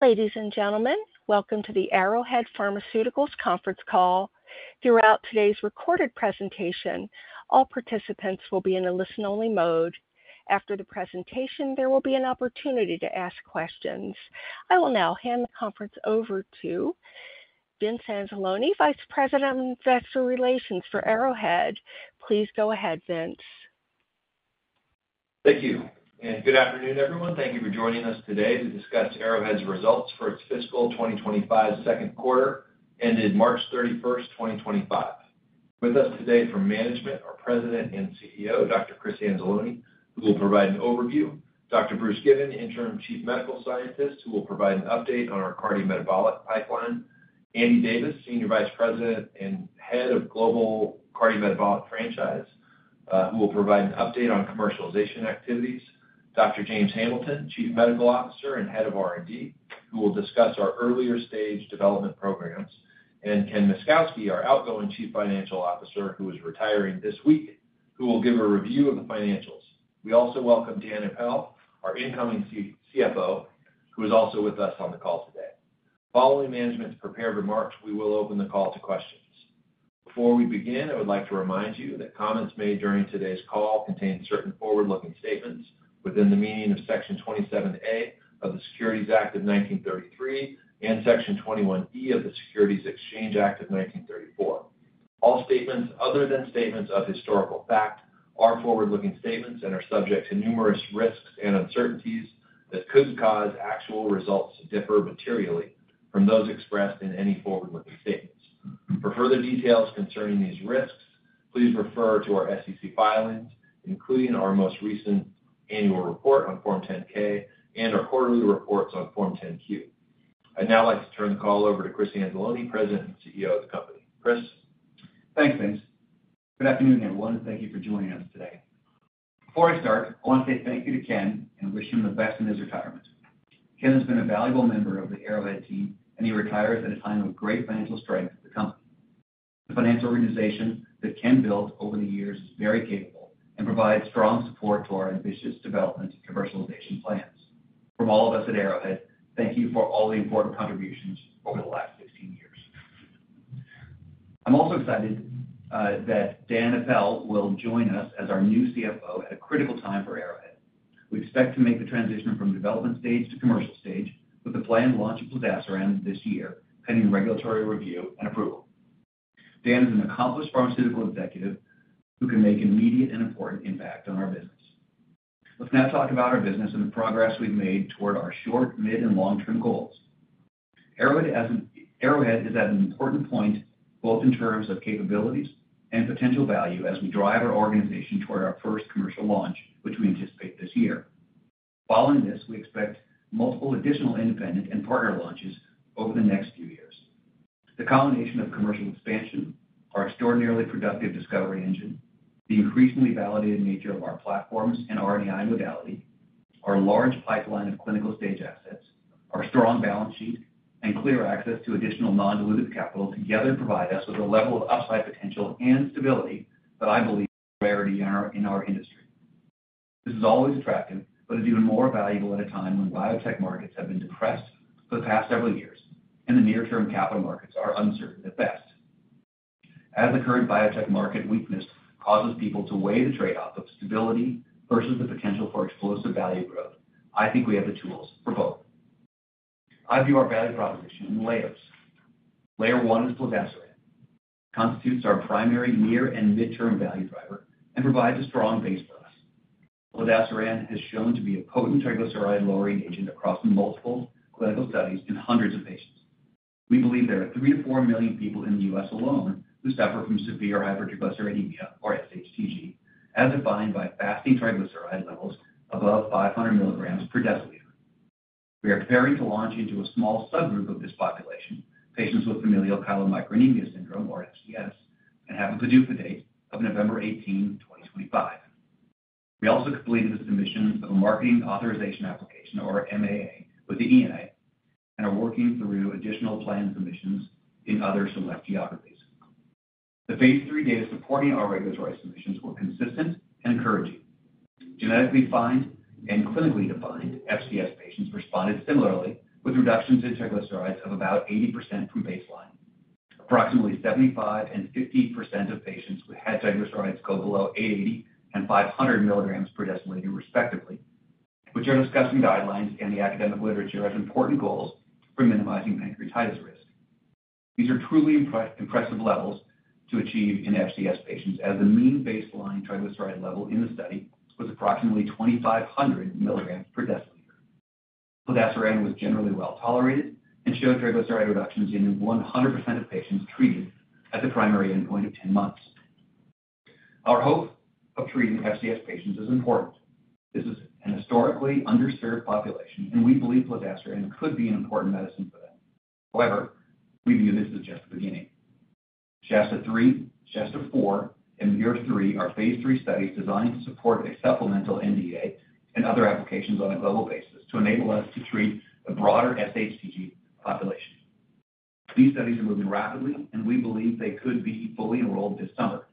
Ladies and gentlemen, welcome to the Arrowhead Pharmaceuticals conference call. Throughout today's recorded presentation, all participants will be in a listen-only mode. After the presentation, there will be an opportunity to ask questions. I will now hand the conference over to Vince Anzalone, Vice President of Investor Relations for Arrowhead. Please go ahead, Vince. Thank you. Good afternoon, everyone. Thank you for joining us today to discuss Arrowhead's results for its fiscal 2025 second quarter ended March 31st, 2025. With us today from management are President and CEO, Dr. Chris Anzalone, who will provide an overview; Dr. Bruce Given, Interim Chief Medical Scientist, who will provide an update on our cardiometabolic pipeline; Andy Davis, Senior Vice President and Head of Global Cardiometabolic Franchise, who will provide an update on commercialization activities; Dr. James Hamilton, Chief Medical Officer and Head of R&D, who will discuss our earlier stage development programs; and Ken Myszkowski, our outgoing Chief Financial Officer who is retiring this week, who will give a review of the financials. We also welcome Dan Apel, our incoming CFO, who is also with us on the call today. Following management's prepared remarks, we will open the call to questions. Before we begin, I would like to remind you that comments made during today's call contain certain forward-looking statements within the meaning of Section 27A of the Securities Act of 1933 and Section 21E of the Securities Exchange Act of 1934. All statements other than statements of historical fact are forward-looking statements and are subject to numerous risks and uncertainties that could cause actual results to differ materially from those expressed in any forward-looking statements. For further details concerning these risks, please refer to our SEC filings, including our most recent annual report on Form 10-K and our quarterly reports on Form 10-Q. I'd now like to turn the call over to Chris Anzalone, President and CEO of the company. Chris? Thanks, Vince. Good afternoon, everyone, and thank you for joining us today. Before I start, I want to say thank you to Ken and wish him the best in his retirement. Ken has been a valuable member of the Arrowhead team, and he retires at a time of great financial strength for the company. The financial organization that Ken built over the years is very capable and provides strong support to our ambitious development and commercialization plans. From all of us at Arrowhead, thank you for all the important contributions over the last 16 years. I'm also excited that Dan Apel will join us as our new CFO at a critical time for Arrowhead. We expect to make the transition from development stage to commercial stage with the planned launch of Plozasiran this year, pending regulatory review and approval. Dan is an accomplished pharmaceutical executive who can make an immediate and important impact on our business. Let's now talk about our business and the progress we've made toward our short, mid, and long-term goals. Arrowhead is at an important point both in terms of capabilities and potential value as we drive our organization toward our first commercial launch, which we anticipate this year. Following this, we expect multiple additional independent and partner launches over the next few years. The combination of commercial expansion, our extraordinarily productive discovery engine, the increasingly validated nature of our platforms and R&D modality, our large pipeline of clinical stage assets, our strong balance sheet, and clear access to additional non-dilutive capital together provide us with a level of upside potential and stability that I believe is a rarity in our industry. This is always attractive, but is even more valuable at a time when biotech markets have been depressed for the past several years and the near-term capital markets are uncertain at best. As the current biotech market weakness causes people to weigh the trade-off of stability versus the potential for explosive value growth, I think we have the tools for both. I view our value proposition in layers. Layer one is Plozasiran. It constitutes our primary near and mid-term value driver and provides a strong base for us. Plozasiran has shown to be a potent triglyceride-lowering agent across multiple clinical studies in hundreds of patients. We believe there are three to four million people in the U.S. alone who suffer from severe hypertriglyceridemia, or SHTG, as defined by fasting triglyceride levels above 500 milligrams per deciliter. We are preparing to launch into a small subgroup of this population, patients with familial chylomicronemia syndrome, or FCS, and have a PDUFA date of November 18th, 2025. We also completed the submission of a marketing authorization application, or MAA, with the EMA and are working through additional planned submissions in other select geographies. The phase three data supporting our regulatory submissions were consistent and encouraging. Genetically defined and clinically defined FCS patients responded similarly with reductions in triglycerides of about 80% from baseline. Approximately 75% and 50% of patients had triglycerides go below 880 and 500 milligrams per deciliter, respectively, which are discussed in guidelines and the academic literature as important goals for minimizing pancreatitis risk. These are truly impressive levels to achieve in FCS patients, as the mean baseline triglyceride level in the study was approximately 2,500 milligrams per deciliter. Plozasiran was generally well tolerated and showed triglyceride reductions in 100% of patients treated at the primary endpoint of 10 months. Our hope of treating FCS patients is important. This is an historically underserved population, and we believe Plozasiran could be an important medicine for them. However, we view this as just the beginning. SHASTA-3, SHASTA-4, and MUIR-3 are phase three studies designed to support a supplemental NDA and other applications on a global basis to enable us to treat a broader SHTG population. These studies are moving rapidly, and we believe they could be fully enrolled this summer.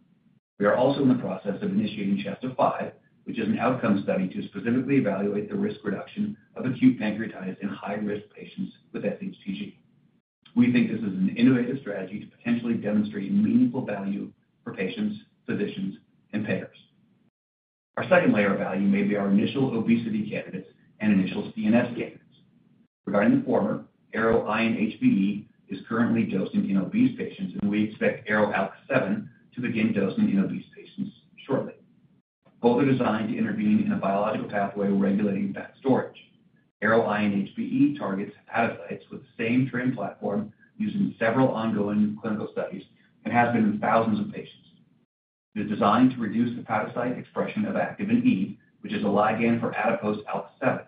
We are also in the process of initiating SHASTA-5, which is an outcome study to specifically evaluate the risk reduction of acute pancreatitis in high-risk patients with SHTG. We think this is an innovative strategy to potentially demonstrate meaningful value for patients, physicians, and payers. Our second layer of value may be our initial obesity candidates and initial CNS candidates. Regarding the former, ARO-INHBE is currently dosed in obese patients, and we expect ARO-ALK7 to begin dosing in obese patients shortly. Both are designed to intervene in a biological pathway regulating fat storage. ARO-INHBE targets hepatocytes with the same TRiM platform using several ongoing clinical studies and has been in thousands of patients. It is designed to reduce hepatocyte expression of activin, which is a ligand for adipose ALK7.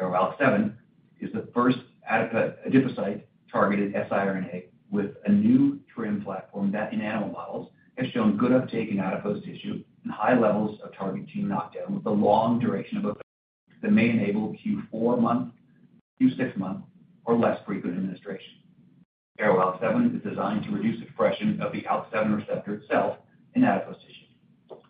ARO-ALK7 is the first adipocyte-targeted siRNA with a new TRiM platform that, in animal models, has shown good uptake in adipose tissue and high levels of target gene knockdown with a long duration of effect that may enable Q4 month, Q6 month, or less frequent administration. ARO-ALK7 is designed to reduce expression of the ALK7 receptor itself in adipose tissue.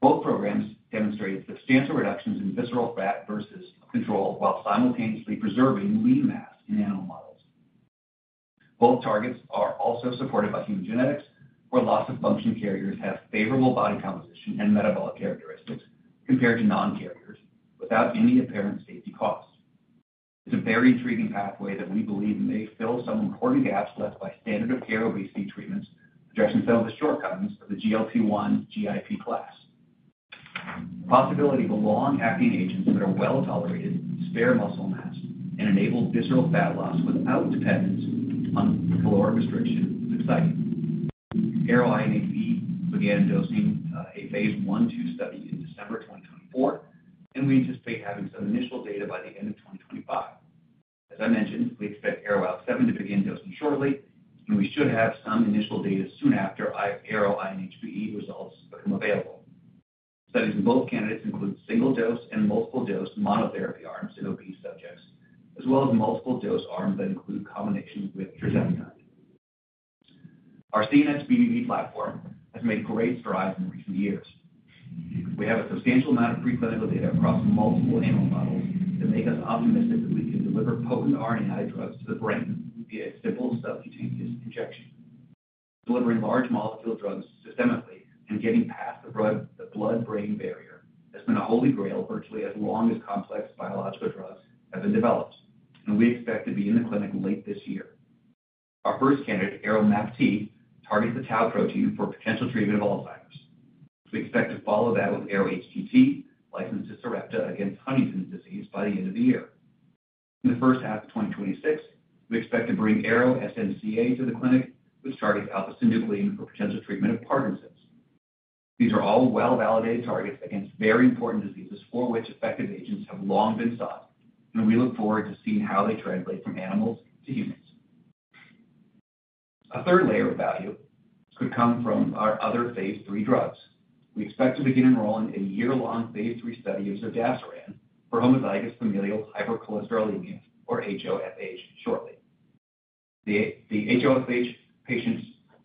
Both programs demonstrated substantial reductions in visceral fat versus control while simultaneously preserving lean mass in animal models. Both targets are also supported by human genetics, where loss of function carriers have favorable body composition and metabolic characteristics compared to non-carriers without any apparent safety cost. It's a very intriguing pathway that we believe may fill some important gaps left by standard-of-care obesity treatments, addressing some of the shortcomings of the GLP-1/GIP class. The possibility of long-acting agents that are well tolerated, spare muscle mass, and enable visceral fat loss without dependence on caloric restriction is exciting. ARO-INHBE began dosing a phase one two study in December 2024, and we anticipate having some initial data by the end of 2025. As I mentioned, we expect ARO-ALK7 to begin dosing shortly, and we should have some initial data soon after ARO-INHBE results become available. Studies in both candidates include single-dose and multiple-dose monotherapy arms in obese subjects, as well as multiple-dose arms that include combinations with tirzepatide. Our CNS blood-brain barrier platform has made great strides in recent years. We have a substantial amount of preclinical data across multiple animal models that make us optimistic that we can deliver potent RNAi drugs to the brain via a simple subcutaneous injection. Delivering large molecule drugs systemically and getting past the blood-brain barrier has been a holy grail virtually as long as complex biological drugs have been developed, and we expect to be in the clinic late this year. Our first candidate, ARO-MAPT, targets the tau protein for potential treatment of Alzheimer's. We expect to follow that with ARO-HTT, licensed to Sarepta against Huntington's disease by the end of the year. In the first half of 2026, we expect to bring ARO-SNCA to the clinic, which targets alpha-synuclein for potential treatment of Parkinson's. These are all well-validated targets against very important diseases for which effective agents have long been sought, and we look forward to seeing how they translate from animals to humans. A third layer of value could come from our other phase three drugs. We expect to begin enrolling a year-long phase three study of Zodasiran for homozygous familial hypercholesterolemia, or HoFH, shortly. The HoFH patients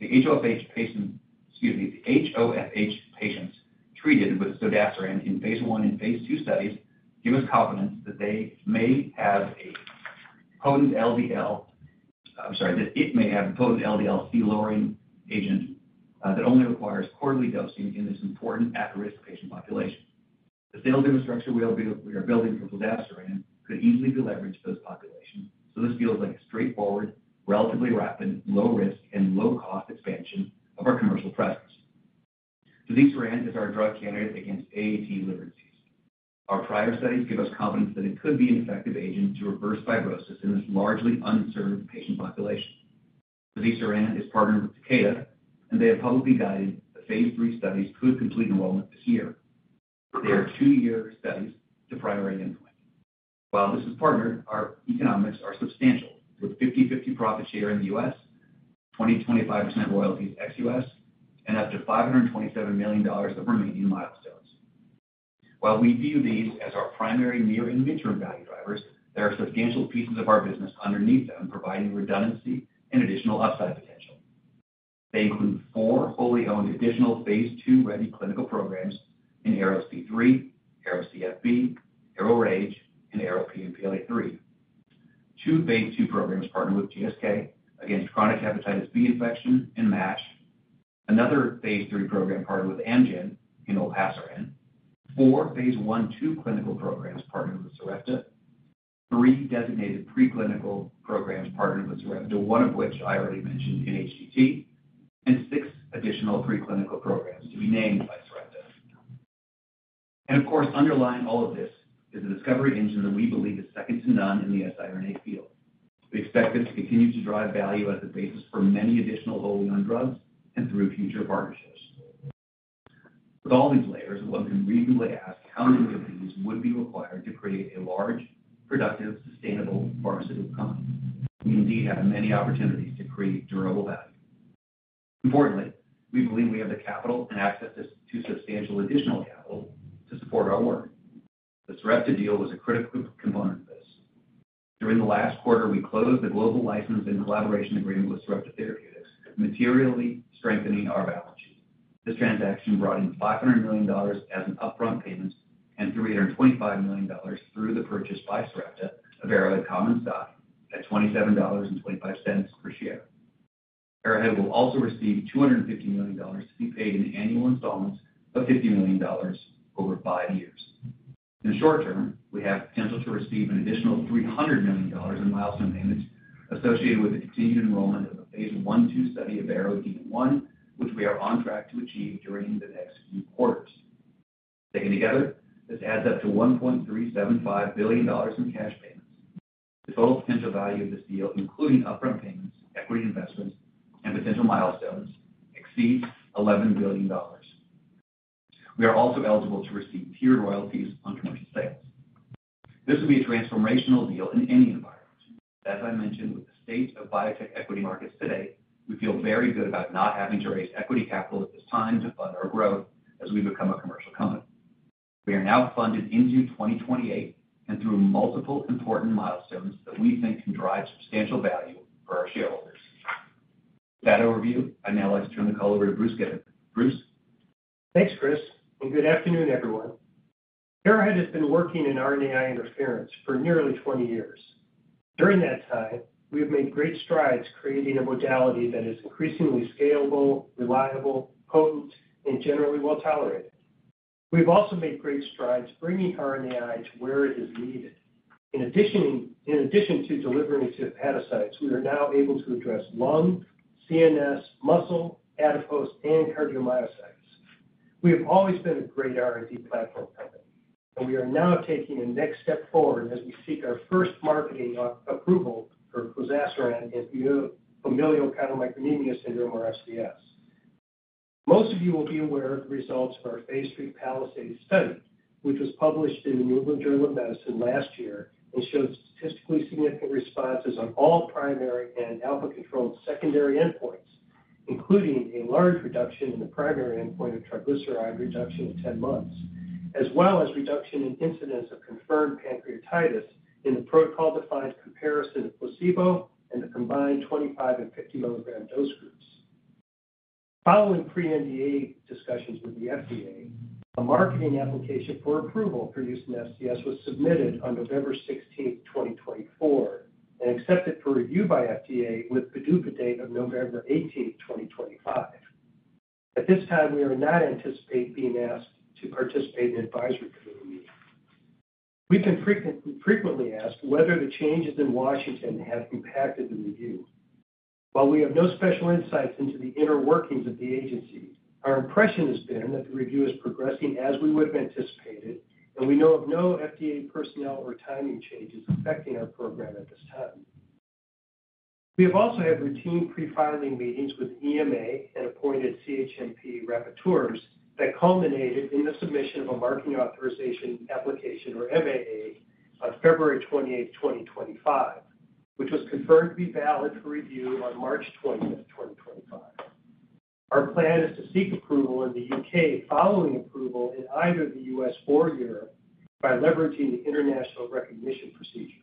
treated with Zodasiran in phase one and phase two studies give us confidence that they may have a potent LDL, I'm sorry, that it may have a potent LDL-C lowering agent that only requires quarterly dosing in this important at-risk patient population. The sales infrastructure we are building for Plozasiran could easily be leveraged for this population, so this feels like a straightforward, relatively rapid, low-risk, and low-cost expansion of our commercial presence. Fazirsiran is our drug candidate against AAT liver disease. Our prior studies give us confidence that it could be an effective agent to reverse fibrosis in this largely unserved patient population. Fazirsiran is partnered with Takeda, and they have publicly guided that phase three studies could complete enrollment this year. They are two-year studies to primary endpoint. While this is partnered, our economics are substantial, with 50/50 profit share in the U.S., 20-25% royalties ex U.S., and up to $527 million of remaining milestones. While we view these as our primary near and mid-term value drivers, there are substantial pieces of our business underneath them providing redundancy and additional upside potential. They include four wholly owned additional phase two-ready clinical programs in ARO-C3, ARO-CFB, ARO-RAGE, and ARO-PNPLA3. Two phase two programs partnered with GSK against chronic hepatitis B infection and MASH. Another phase three program partnered with Amgen in olpasiran. Four phase one-two clinical programs partnered with Sarepta. Three designated preclinical programs partnered with Sarepta, one of which I already mentioned in HTT, and six additional preclinical programs to be named by Sarepta. Of course, underlying all of this is a discovery engine that we believe is second to none in the siRNA field. We expect this to continue to drive value as a basis for many additional wholly owned drugs and through future partnerships. With all these layers, one can reasonably ask how many of these would be required to create a large, productive, sustainable pharmaceutical company. We indeed have many opportunities to create durable value. Importantly, we believe we have the capital and access to substantial additional capital to support our work. The Sarepta deal was a critical component of this. During the last quarter, we closed the global license and collaboration agreement with Sarepta Therapeutics, materially strengthening our balance sheet. This transaction brought in $500 million as an upfront payment and $325 million through the purchase by Sarepta of Arrowhead Common Stock at $27.25 per share. Arrowhead will also receive $250 million to be paid in annual installments of $50 million over five years. In the short term, we have potential to receive an additional $300 million in milestone payments associated with the continued enrollment of a phase one two study of ARO-DM1, which we are on track to achieve during the next few quarters. Taken together, this adds up to $1.375 billion in cash payments. The total potential value of this deal, including upfront payments, equity investments, and potential milestones, exceeds $11 billion. We are also eligible to receive tiered royalties on commercial sales. This will be a transformational deal in any environment. As I mentioned, with the state of biotech equity markets today, we feel very good about not having to raise equity capital at this time to fund our growth as we become a commercial company. We are now funded into 2028 and through multiple important milestones that we think can drive substantial value for our shareholders. With that overview, I now like to turn the call over to Bruce Given. Bruce? Thanks, Chris, and good afternoon, everyone. Arrowhead has been working in RNAi interference for nearly 20 years. During that time, we have made great strides creating a modality that is increasingly scalable, reliable, potent, and generally well tolerated. We have also made great strides bringing RNAi to where it is needed. In addition to delivering to hepatocytes, we are now able to address lung, CNS, muscle, adipose, and cardiomyocytes. We have always been a great R&D platform company, and we are now taking a next step forward as we seek our first marketing approval for Plozasiran in familial chylomicronemia syndrome, or FCS. Most of you will be aware of the results of our phase three palliative study, which was published in the New England Journal of Medicine last year and showed statistically significant responses on all primary and alpha-controlled secondary endpoints, including a large reduction in the primary endpoint of triglyceride reduction in 10 months, as well as reduction in incidence of confirmed pancreatitis in the protocol-defined comparison of placebo and the combined 25 and 50 milligram dose groups. Following pre-NDA discussions with the FDA, a marketing application for approval for use in FCS was submitted on November 16th, 2024, and accepted for review by FDA with the due date of November 18th, 2025. At this time, we are not anticipating being asked to participate in advisory committee meetings. We've been frequently asked whether the changes in Washington have impacted the review. While we have no special insights into the inner workings of the agency, our impression has been that the review is progressing as we would have anticipated, and we know of no FDA personnel or timing changes affecting our program at this time. We have also had routine pre-filing meetings with EMA and appointed CHMP rapporteurs that culminated in the submission of a marketing authorization application, or MAA, on February 28th, 2025, which was confirmed to be valid for review on March 20th, 2025. Our plan is to seek approval in the U.K. following approval in either the U.S. or Europe by leveraging the international recognition procedure.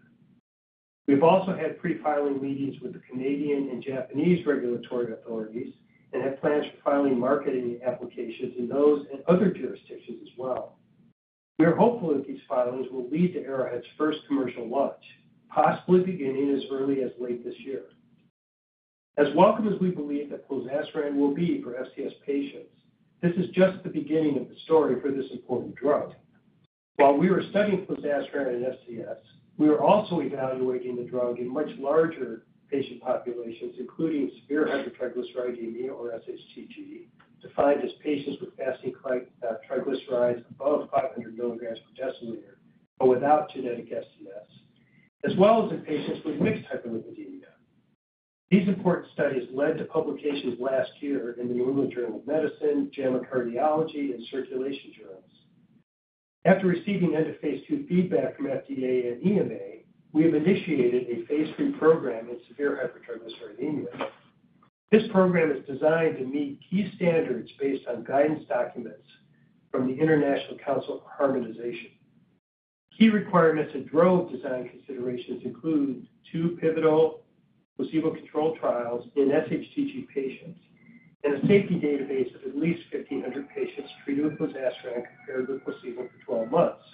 We've also had pre-filing meetings with the Canadian and Japanese regulatory authorities and have plans for filing marketing applications in those and other jurisdictions as well. We are hopeful that these filings will lead to Arrowhead's first commercial launch, possibly beginning as early as late this year. As welcome as we believe that Plozasiran will be for FCS patients, this is just the beginning of the story for this important drug. While we were studying Plozasiran in FCS, we were also evaluating the drug in much larger patient populations, including severe hypertriglyceridemia, or SHTG, defined as patients with fasting triglycerides above 500 milligrams per deciliter, but without genetic FCS, as well as in patients with mixed hyperlipidemia. These important studies led to publications last year in the New England Journal of Medicine, JAMA Cardiology, and Circulation Journals. After receiving end-of-phase two feedback from FDA and EMA, we have initiated a phase three program in severe hypertriglyceridemia. This program is designed to meet key standards based on guidance documents from the International Council for Harmonization. Key requirements and drug design considerations include two pivotal placebo-controlled trials in SHTG patients and a safety database of at least 1,500 patients treated with Plozasiran compared with placebo for 12 months.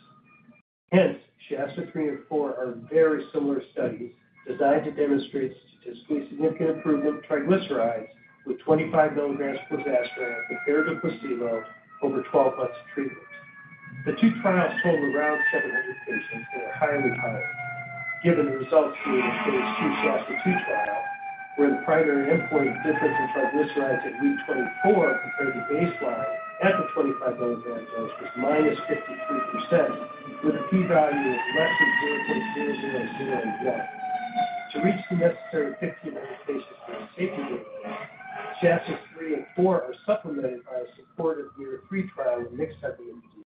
Hence, SHASTA-3 and SHASTA-4 are very similar studies designed to demonstrate statistically significant improvement of triglycerides with 25 mg of Plozasiran compared with placebo over 12 months of treatment. The two trials total around 700 patients and are highly tolerated. Given the results from the phase two SHASTA-2 trial, where the primary endpoint difference in triglycerides at week 24 compared to baseline at the 25 mg dose was -53%, with a p-value of less than 0.0001. To reach the necessary 1,500 patients for the safety database, SHASTA-3 and SHASTA-4 are supplemented by a supportive year three trial in mixed hyperlipidemia,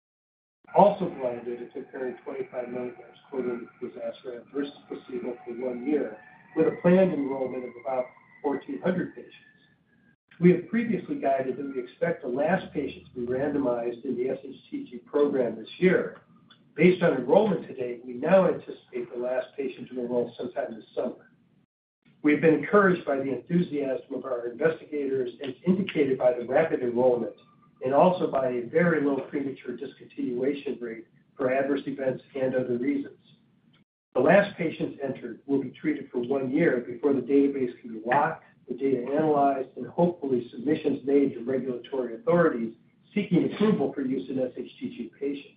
also blinded and comparing 25 milligrams quarterly with Plozasiran versus placebo for one year, with a planned enrollment of about 1,400 patients. We have previously guided that we expect the last patient to be randomized in the SHTG program this year. Based on enrollment today, we now anticipate the last patient to enroll sometime this summer. We've been encouraged by the enthusiasm of our investigators as indicated by the rapid enrollment and also by a very low premature discontinuation rate for adverse events and other reasons. The last patients entered will be treated for one year before the database can be locked, the data analyzed, and hopefully submissions made to regulatory authorities seeking approval for use in SHTG patients.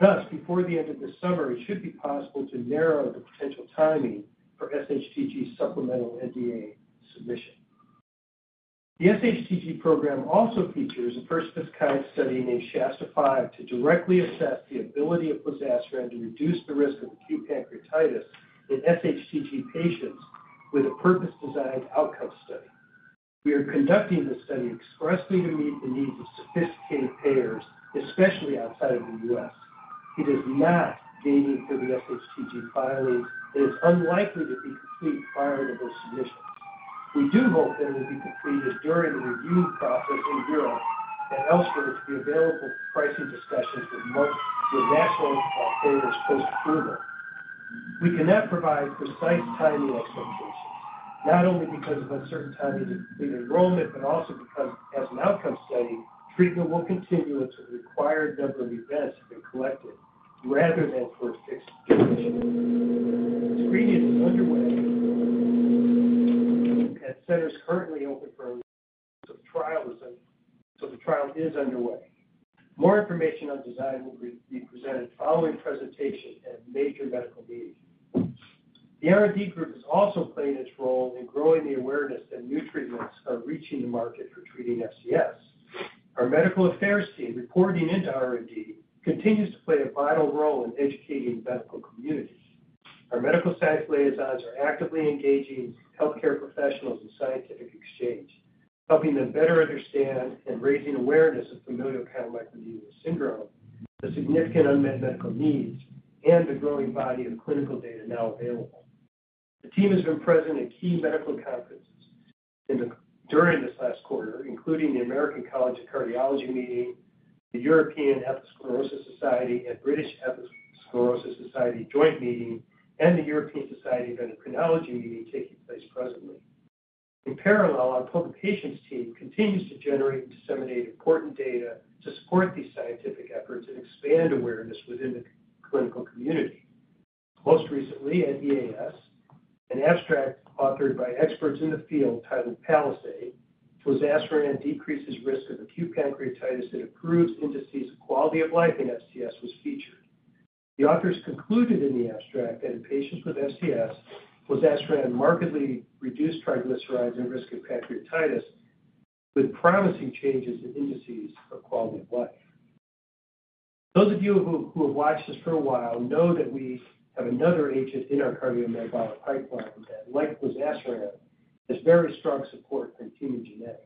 Thus, before the end of this summer, it should be possible to narrow the potential timing for SHTG supplemental NDA submission. The SHTG program also features a first-of-its-kind study named SHASTA-5 to directly assess the ability of Plozasiran to reduce the risk of acute pancreatitis in SHTG patients with a purpose-designed outcome study. We are conducting this study expressly to meet the needs of sophisticated payers, especially outside of the U.S. It is not gated for the SHTG filings and is unlikely to be complete prior to those submissions. We do hope that it will be completed during the review process in Europe and elsewhere to be available for pricing discussions with national payers post-approval. We cannot provide precise timing expectations, not only because of uncertain timing to complete enrollment, but also because as an outcome study, treatment will continue until the required number of events have been collected rather than for a fixed duration. Screening is underway at centers currently open for a trial, so the trial is underway. More information on design will be presented following presentation and major medical meetings. The R&D group is also playing its role in growing the awareness that new treatments are reaching the market for treating FCS. Our Medical Affairs team, reporting into R&D, continues to play a vital role in educating the medical community. Our medical science liaisons are actively engaging healthcare professionals in scientific exchange, helping them better understand and raising awareness of familial chylomicronemia syndrome, the significant unmet medical needs, and the growing body of clinical data now available. The team has been present at key medical conferences during this last quarter, including the American College of Cardiology meeting, the European Atherosclerosis Society, and British Atherosclerosis Society joint meeting, and the European Society of Endocrinology meeting taking place presently. In parallel, our publications team continues to generate and disseminate important data to support these scientific efforts and expand awareness within the clinical community. Most recently, at EAS, an abstract authored by experts in the field titled PALISADE: Plozasiran decreases risk of acute pancreatitis and improves indices of quality of life in FCS was featured. The authors concluded in the abstract that in patients with FCS, Plozasiran markedly reduced triglycerides and risk of pancreatitis with promising changes in indices of quality of life. Those of you who have watched this for a while know that we have another agent in our cardiometabolic pipeline that, like Plozasiran, has very strong support from human genetics.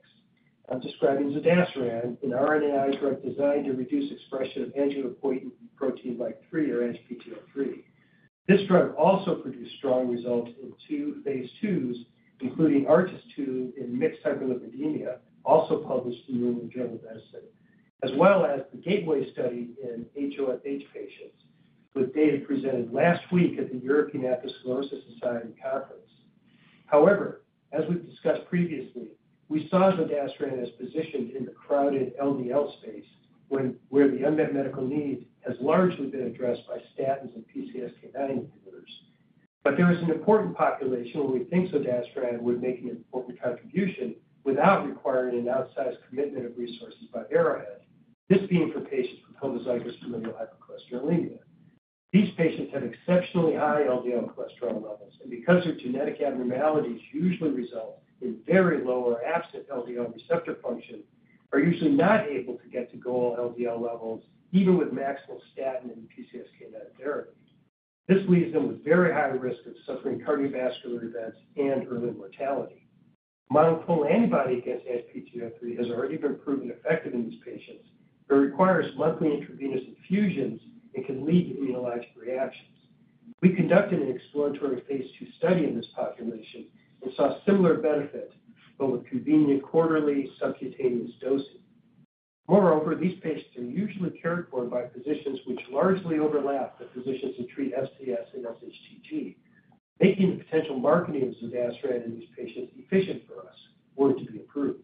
I'm describing Plozasiran, an RNAi drug designed to reduce expression of angiopoietin-like protein 3 or ANGPTL3. This drug also produced strong results in two phase twos, including ARCHES-2 in mixed hyperlipidemia, also published in the New England Journal of Medicine, as well as the GATEWAY study in HoFH patients with data presented last week at the European Society of Cardiology conference. However, as we've discussed previously, we saw Plozasiran as positioned in the crowded LDL space where the unmet medical need has largely been addressed by statins and PCSK9 inhibitors. There is an important population where we think Plozasiran would make an important contribution without requiring an outsized commitment of resources by Arrowhead, this being for patients with homozygous familial hypercholesterolemia. These patients have exceptionally high LDL cholesterol levels, and because their genetic abnormalities usually result in very low or absent LDL receptor function, they are usually not able to get to goal LDL levels even with maximal statin and PCSK9 therapy. This leaves them with very high risk of suffering cardiovascular events and early mortality. Monoclonal antibody against ANGPTL3 has already been proven effective in these patients, but requires monthly intravenous infusions and can lead to immunologic reactions. We conducted an exploratory phase two study in this population and saw similar benefit, but with convenient quarterly subcutaneous dosing. Moreover, these patients are usually cared for by physicians which largely overlap the physicians who treat FCS and SHTG, making the potential marketing of zodasiran in these patients efficient for us, or to be approved.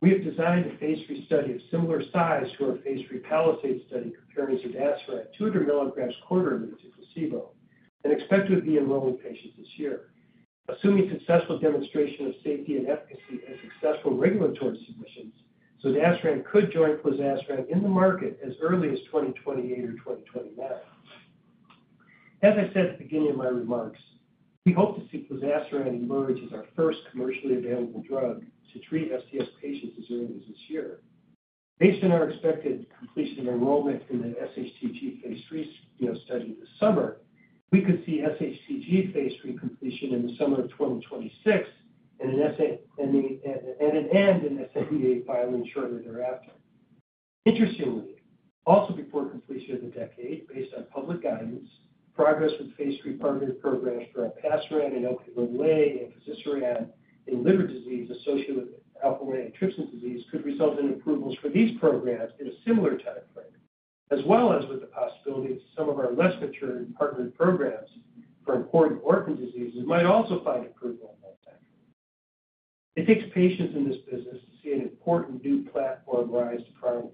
We have designed a phase three study of similar size to our phase three PALISADE study comparing zodasiran 200 milligrams quarterly to placebo and expect to be enrolling patients this year, assuming successful demonstration of safety and efficacy and successful regulatory submissions. Zodasiran could join plozasiran in the market as early as 2028 or 2029. As I said at the beginning of my remarks, we hope to see plozasiran emerge as our first commercially available drug to treat FCS patients as early as this year. Based on our expected completion of enrollment in the SHTG phase three study this summer, we could see SHTG phase three completion in the summer of 2026 and an end in sNDA filing shortly thereafter. Interestingly, also before completion of the decade, based on public guidance, progress with phase three partnered programs for olpasiran and fizusiran in liver disease associated with alpha-1 antitrypsin isease could result in approvals for these programs in a similar timeframe, as well as with the possibility that some of our less mature partnered programs for important organ diseases might also find approval in that timeframe. It takes patience in this business to see an important new platform rise to prominence.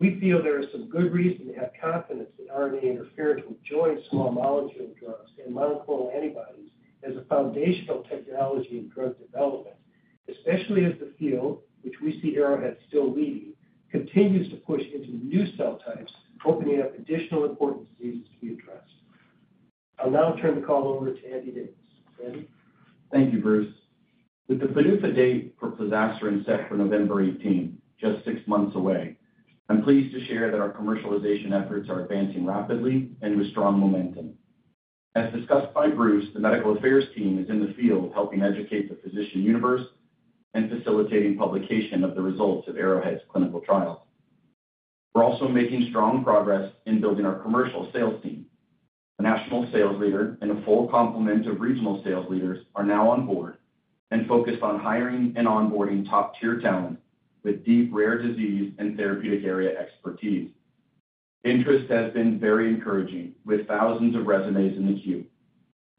We feel there is some good reason to have confidence that RNA interference with joint small molecule drugs and monoclonal antibodies as a foundational technology in drug development, especially as the field, which we see Arrowhead still leading, continues to push into new cell types, opening up additional important diseases to be addressed. I'll now turn the call over to Andy Davis. Andy? Thank you, Bruce. With the PDUFA date for Plozasiran set for November 18, just six months away, I'm pleased to share that our commercialization efforts are advancing rapidly and with strong momentum. As discussed by Bruce, the medical affairs team is in the field helping educate the physician universe and facilitating publication of the results of Arrowhead's clinical trials. We're also making strong progress in building our commercial sales team. The national sales leader and a full complement of regional sales leaders are now on board and focused on hiring and onboarding top-tier talent with deep rare disease and therapeutic area expertise. Interest has been very encouraging, with thousands of resumes in the queue,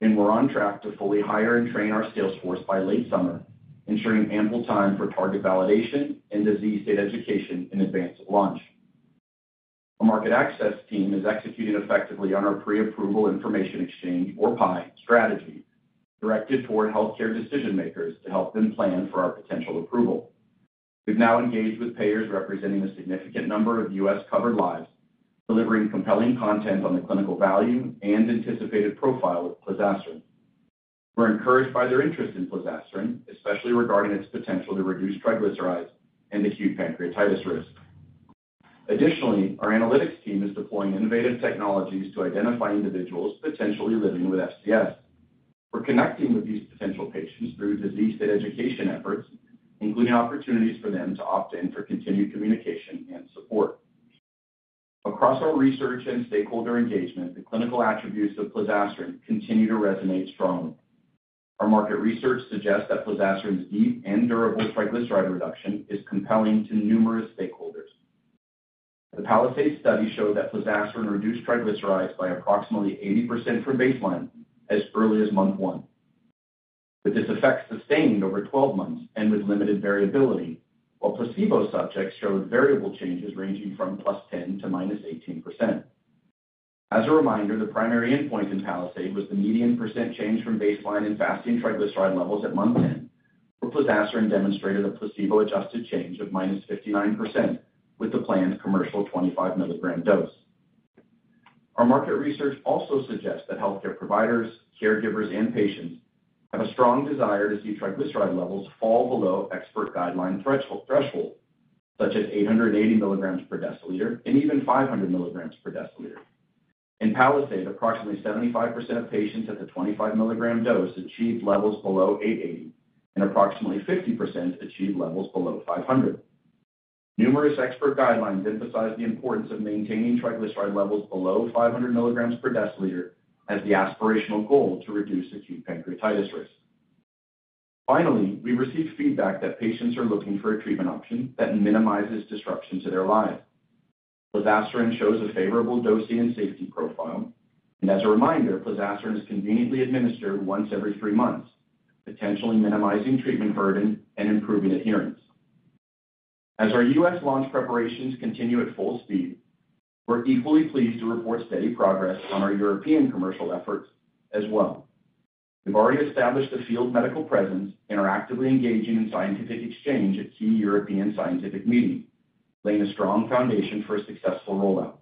and we're on track to fully hire and train our salesforce by late summer, ensuring ample time for target validation and disease state education in advance of launch. A market access team is executing effectively on our pre-approval information exchange, or PIE, strategy directed toward healthcare decision-makers to help them plan for our potential approval. We've now engaged with payers representing a significant number of U.S. covered lives, delivering compelling content on the clinical value and anticipated profile of Plozasiran. We're encouraged by their interest in Plozasiran, especially regarding its potential to reduce triglycerides and acute pancreatitis risk. Additionally, our analytics team is deploying innovative technologies to identify individuals potentially living with FCS. We're connecting with these potential patients through disease state education efforts, including opportunities for them to opt in for continued communication and support. Across our research and stakeholder engagement, the clinical attributes of Plozasiran continue to resonate strongly. Our market research suggests that Plozasiran's deep and durable triglyceride reduction is compelling to numerous stakeholders. The PALISADE study showed that Plozasiran reduced triglycerides by approximately 80% from baseline as early as month one. With this effect sustained over 12 months and with limited variability, while placebo subjects showed variable changes ranging from plus 10% to minus 18%. As a reminder, the primary endpoint in Palisade was the median percent change from baseline and fasting triglyceride levels at month 10, where Plozasiran demonstrated a placebo-adjusted change of minus 59% with the planned commercial 25 milligram dose. Our market research also suggests that healthcare providers, caregivers, and patients have a strong desire to see triglyceride levels fall below expert guideline threshold, such as 880 milligrams per deciliter and even 500 milligrams per deciliter. In Palisade, approximately 75% of patients at the 25 milligram dose achieved levels below 880, and approximately 50% achieved levels below 500. Numerous expert guidelines emphasize the importance of maintaining triglyceride levels below 500 milligrams per deciliter as the aspirational goal to reduce acute pancreatitis risk. Finally, we received feedback that patients are looking for a treatment option that minimizes disruption to their lives. Plozasiran shows a favorable dosing and safety profile, and as a reminder, Plozasiran is conveniently administered once every three months, potentially minimizing treatment burden and improving adherence. As our U.S. launch preparations continue at full speed, we're equally pleased to report steady progress on our European commercial efforts as well. We've already established a field medical presence, interactively engaging in scientific exchange at key European scientific meetings, laying a strong foundation for a successful rollout.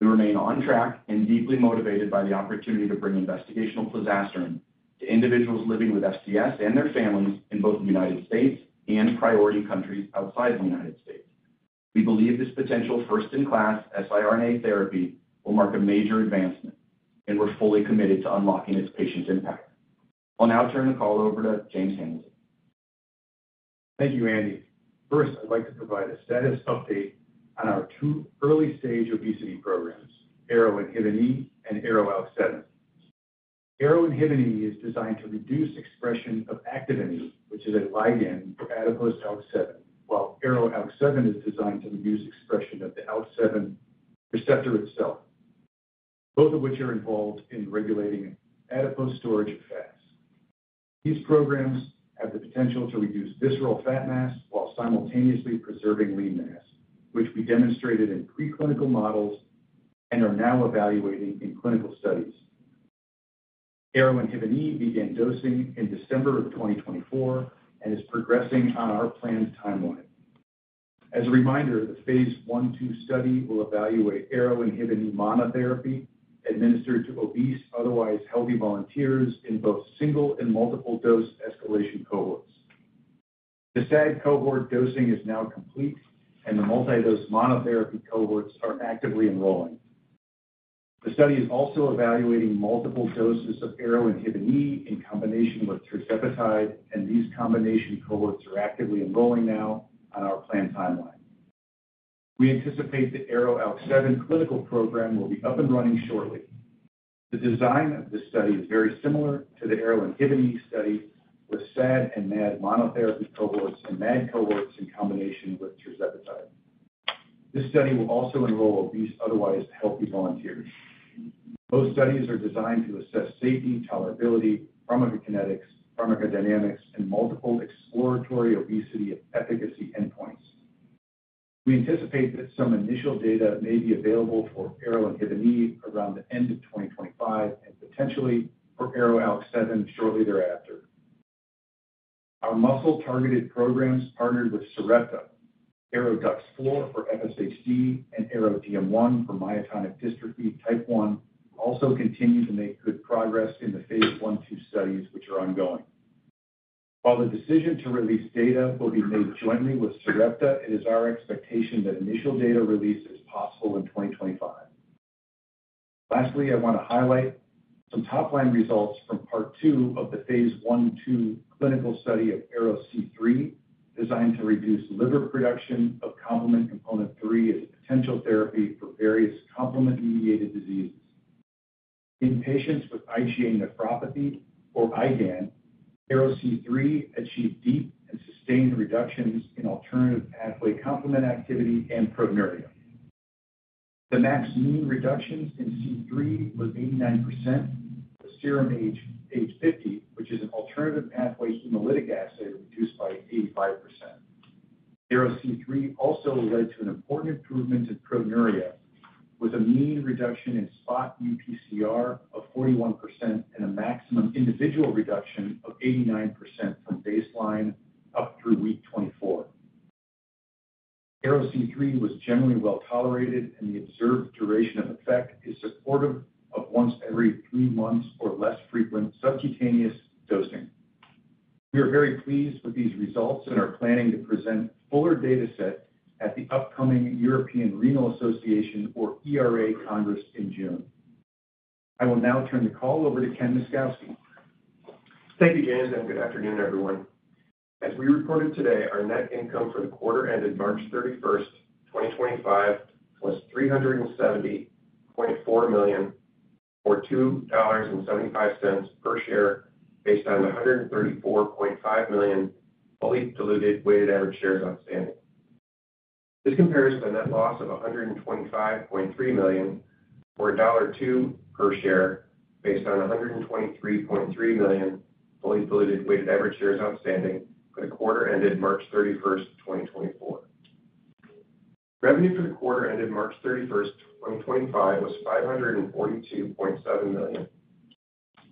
We remain on track and deeply motivated by the opportunity to bring investigational Plozasiran to individuals living with FCS and their families in both the United States and priority countries outside the United States. We believe this potential first-in-class siRNA therapy will mark a major advancement, and we're fully committed to unlocking its patient impact. I'll now turn the call over to James Hamilton. Thank you, Andy. First, I'd like to provide a status update on our two early-stage obesity programs, ARO-INHBE and ARO-ALK7. Arrowhead INHBE is designed to reduce expression of activin, which is a ligand for adipose ALK7, while ARO-ALK7 is designed to reduce expression of the ALK7 receptor itself, both of which are involved in regulating adipose storage of fats. These programs have the potential to reduce visceral fat mass while simultaneously preserving lean mass, which we demonstrated in preclinical models and are now evaluating in clinical studies. ARO-INHBE began dosing in December of 2024 and is progressing on our planned timeline. As a reminder, the phase one two study will evaluate ARO-INHBE monotherapy administered to obese, otherwise healthy volunteers in both single and multiple dose escalation cohorts. The single ascending dose cohort dosing is now complete, and the multi-dose monotherapy cohorts are actively enrolling. The study is also evaluating multiple doses of ARO-INHBE in combination with tirzepatide, and these combination cohorts are actively enrolling now on our planned timeline. We anticipate the ARO-ALK7 clinical program will be up and running shortly. The design of this study is very similar to the ARO-INHBE study with SAD and MAD monotherapy cohorts and MAD cohorts in combination with tirzepatide. This study will also enroll obese, otherwise healthy volunteers. Both studies are designed to assess safety, tolerability, pharmacokinetics, pharmacodynamics, and multiple exploratory obesity efficacy endpoints. We anticipate that some initial data may be available for ARO-INHBE around the end of 2025 and potentially for ARO-ALK7 shortly thereafter. Our muscle-targeted programs partnered with Sarepta, ARO-DUX4 for FSHD, and ARO-DM1 for myotonic dystrophy type one also continue to make good progress in the phase one two studies, which are ongoing. While the decision to release data will be made jointly with Sarepta, it is our expectation that initial data release is possible in 2025. Lastly, I want to highlight some top-line results from part two of the phase one two clinical study of ARO-C3, designed to reduce liver production of complement component three as a potential therapy for various complement-mediated diseases. In patients with IgA nephropathy or IgAN, ARO-C3 achieved deep and sustained reductions in alternative pathway complement activity and proteinuria. The max mean reductions in C3 was 89% with serum AH50, which is an alternative pathway hemolytic assay reduced by 85%. ARO-C3 also led to an important improvement in proteinuria with a mean reduction in spot UPCR of 41% and a maximum individual reduction of 89% from baseline up through week 24. ARO-C3 was generally well tolerated, and the observed duration of effect is supportive of once every three months or less frequent subcutaneous dosing. We are very pleased with these results and are planning to present a fuller data set at the upcoming European Renal Association or ERA Congress in June. I will now turn the call over to Ken Myszkowski. Thank you, James, and good afternoon, everyone. As we reported today, our net income for the quarter ended March 31,st 2025, was $370.4 million or $2.75 per share based on the 134.5 million fully diluted weighted average shares outstanding. This compares with a net loss of $125.3 million or $1.02 per share based on $123.3 million fully diluted weighted average shares outstanding for the quarter ended March 31st, 2024. Revenue for the quarter ended March 31st, 2025, was $542.7 million.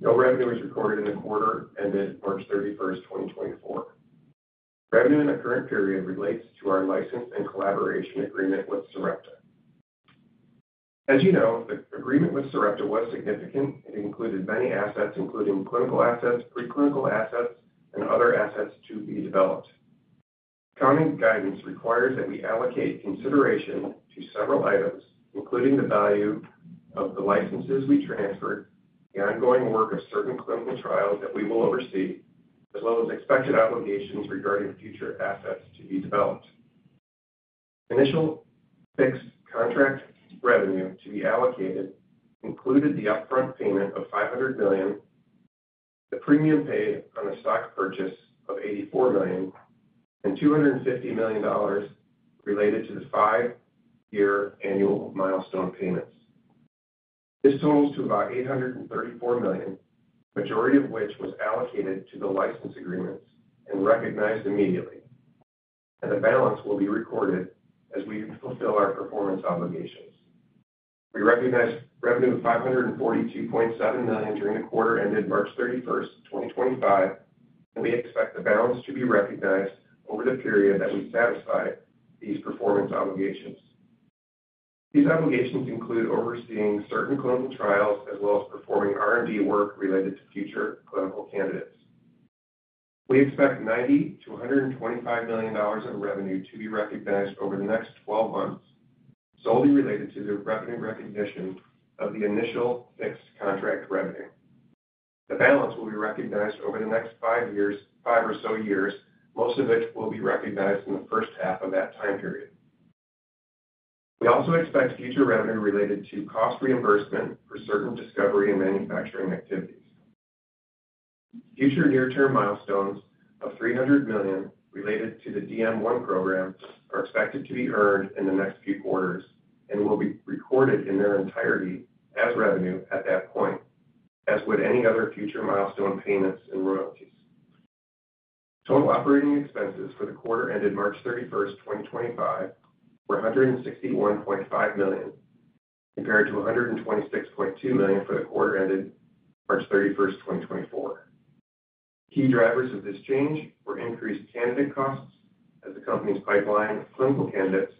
No revenue was recorded in the quarter ended March 31st, 2024. Revenue in the current period relates to our license and collaboration agreement with Sarepta. As you know, the agreement with Sarepta was significant. It included many assets, including clinical assets, preclinical assets, and other assets to be developed. County guidance requires that we allocate consideration to several items, including the value of the licenses we transfer, the ongoing work of certain clinical trials that we will oversee, as well as expected obligations regarding future assets to be developed. Initial fixed contract revenue to be allocated included the upfront payment of $500 million, the premium paid on a stock purchase of $84 million, and $250 million related to the five-year annual milestone payments. This totals to about $834 million, the majority of which was allocated to the license agreements and recognized immediately. The balance will be recorded as we fulfill our performance obligations. We recognize revenue of $542.7 million during the quarter ended March 31st, 2025, and we expect the balance to be recognized over the period that we satisfy these performance obligations. These obligations include overseeing certain clinical trials as well as performing R&D work related to future clinical candidates. We expect $90-$125 million in revenue to be recognized over the next 12 months, solely related to the revenue recognition of the initial fixed contract revenue. The balance will be recognized over the next five years or so years, most of which will be recognized in the first half of that time period. We also expect future revenue related to cost reimbursement for certain discovery and manufacturing activities. Future near-term milestones of $300 million related to the DM1 program are expected to be earned in the next few quarters and will be recorded in their entirety as revenue at that point, as would any other future milestone payments and royalties. Total operating expenses for the quarter ended March 31st, 2025, were $161.5 million, compared to $126.2 million for the quarter ended March 31st, 2024. Key drivers of this change were increased candidate costs as the company's pipeline of clinical candidates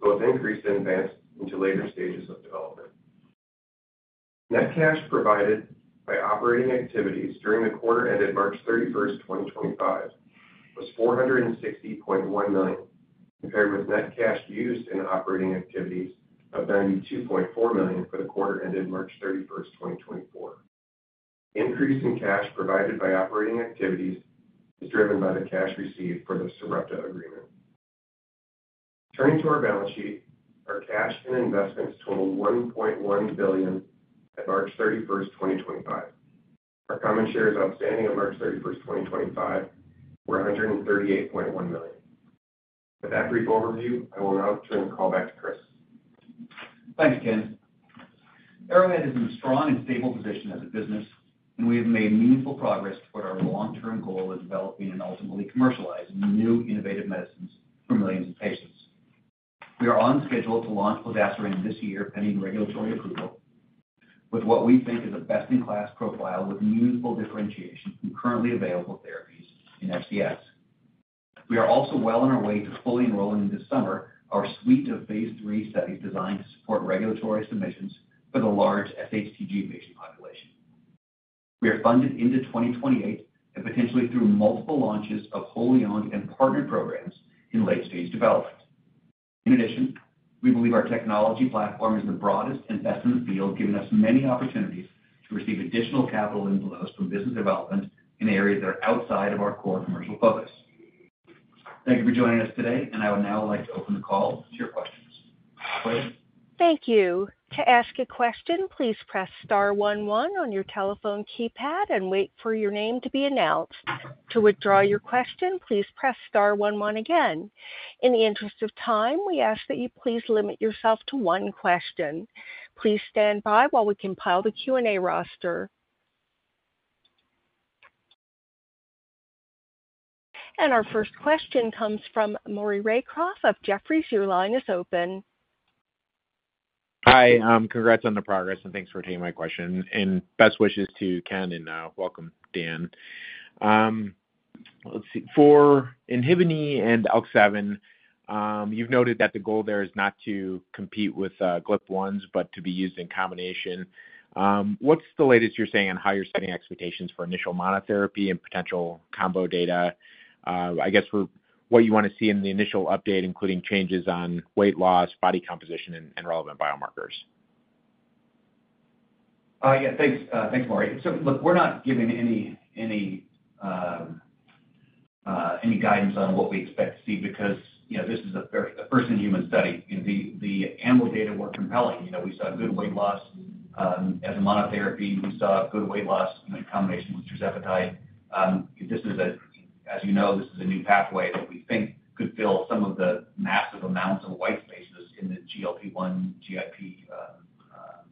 both increased and advanced into later stages of development. Net cash provided by operating activities during the quarter ended March 31st, 2025, was $460.1 million, compared with net cash used in operating activities of $92.4 million for the quarter ended March 31st, 2024. Increase in cash provided by operating activities is driven by the cash received for the Sarepta agreement. Turning to our balance sheet, our cash and investments totaled $1.1 billion at March 31st, 2025. Our common shares outstanding on March 31st, 2025, were $138.1 million. With that brief overview, I will now turn the call back to Chris. Thanks, Ken. Arrowhead is in a strong and stable position as a business, and we have made meaningful progress toward our long-term goal of developing and ultimately commercializing new innovative medicines for millions of patients. We are on schedule to launch Plozasiran this year, pending regulatory approval, with what we think is a best-in-class profile with meaningful differentiation from currently available therapies in FCS. We are also well on our way to fully enrolling this summer our suite of phase three studies designed to support regulatory submissions for the large SHTG patient population. We are funded into 2028 and potentially through multiple launches of wholly owned and partnered programs in late-stage development. In addition, we believe our technology platform is the broadest and best in the field, giving us many opportunities to receive additional capital inflows from business development in areas that are outside of our core commercial focus. Thank you for joining us today, and I would now like to open the call to your questions. Thank you. To ask a question, please press star one one on your telephone keypad and wait for your name to be announced. To withdraw your question, please press star one one again. In the interest of time, we ask that you please limit yourself to one question. Please stand by while we compile the Q&A roster. Our first question comes from Maury Raycroft of Jefferies. Your line is open. Hi. Congrats on the progress, and thanks for taking my question. Best wishes to Ken and welcome, Dan. Let's see. For INHBE and ALK7, you've noted that the goal there is not to compete with GLP-1s, but to be used in combination. What's the latest you're saying on how you're setting expectations for initial monotherapy and potential combo data? I guess for what you want to see in the initial update, including changes on weight loss, body composition, and relevant biomarkers. Yeah, thanks, Maury. Look, we're not giving any guidance on what we expect to see because this is a first-in-human study. The AML data were compelling. We saw good weight loss as a monotherapy. We saw good weight loss in combination with tirzepatide. As you know, this is a new pathway that we think could fill some of the massive amounts of white spaces in the GLP-1, GIP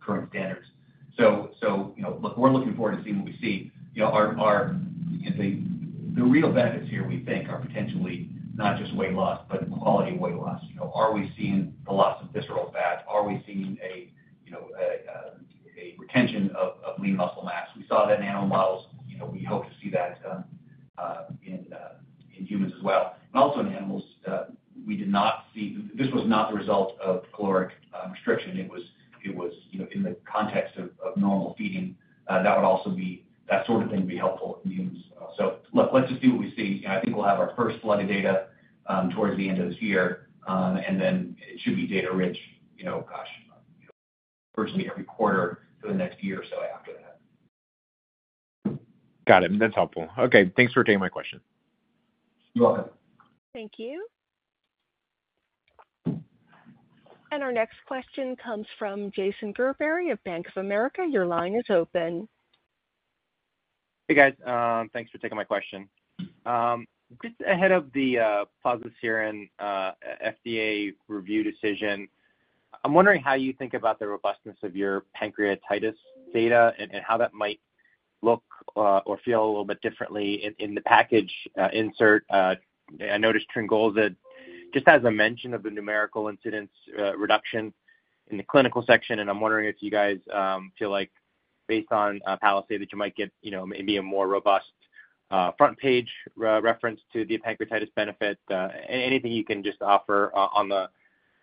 current standards. Look, we're looking forward to seeing what we see. The real benefits here, we think, are potentially not just weight loss, but quality of weight loss. Are we seeing the loss of visceral fat? Are we seeing a retention of lean muscle mass? We saw that in animal models. We hope to see that in humans as well. Also in animals, we did not see this was not the result of caloric restriction. It was in the context of normal feeding. That sort of thing would be helpful in humans. Look, let's just see what we see. I think we'll have our first flood of data towards the end of this year, and then it should be data-rich, gosh, virtually every quarter for the next year or so after that. Got it. That's helpful. Okay. Thanks for taking my question. You're welcome. Thank you. Our next question comes from Jason Gerberry of Bank of America. Your line is open. Hey, guys. Thanks for taking my question. Just ahead of the pauses here and FDA review decision, I'm wondering how you think about the robustness of your pancreatitis data and how that might look or feel a little bit differently in the package insert. I noticed Tryngolza that just has a mention of the numerical incidence reduction in the clinical section, and I'm wondering if you guys feel like, based on policy, that you might get maybe a more robust front page reference to the pancreatitis benefit. Anything you can just offer on the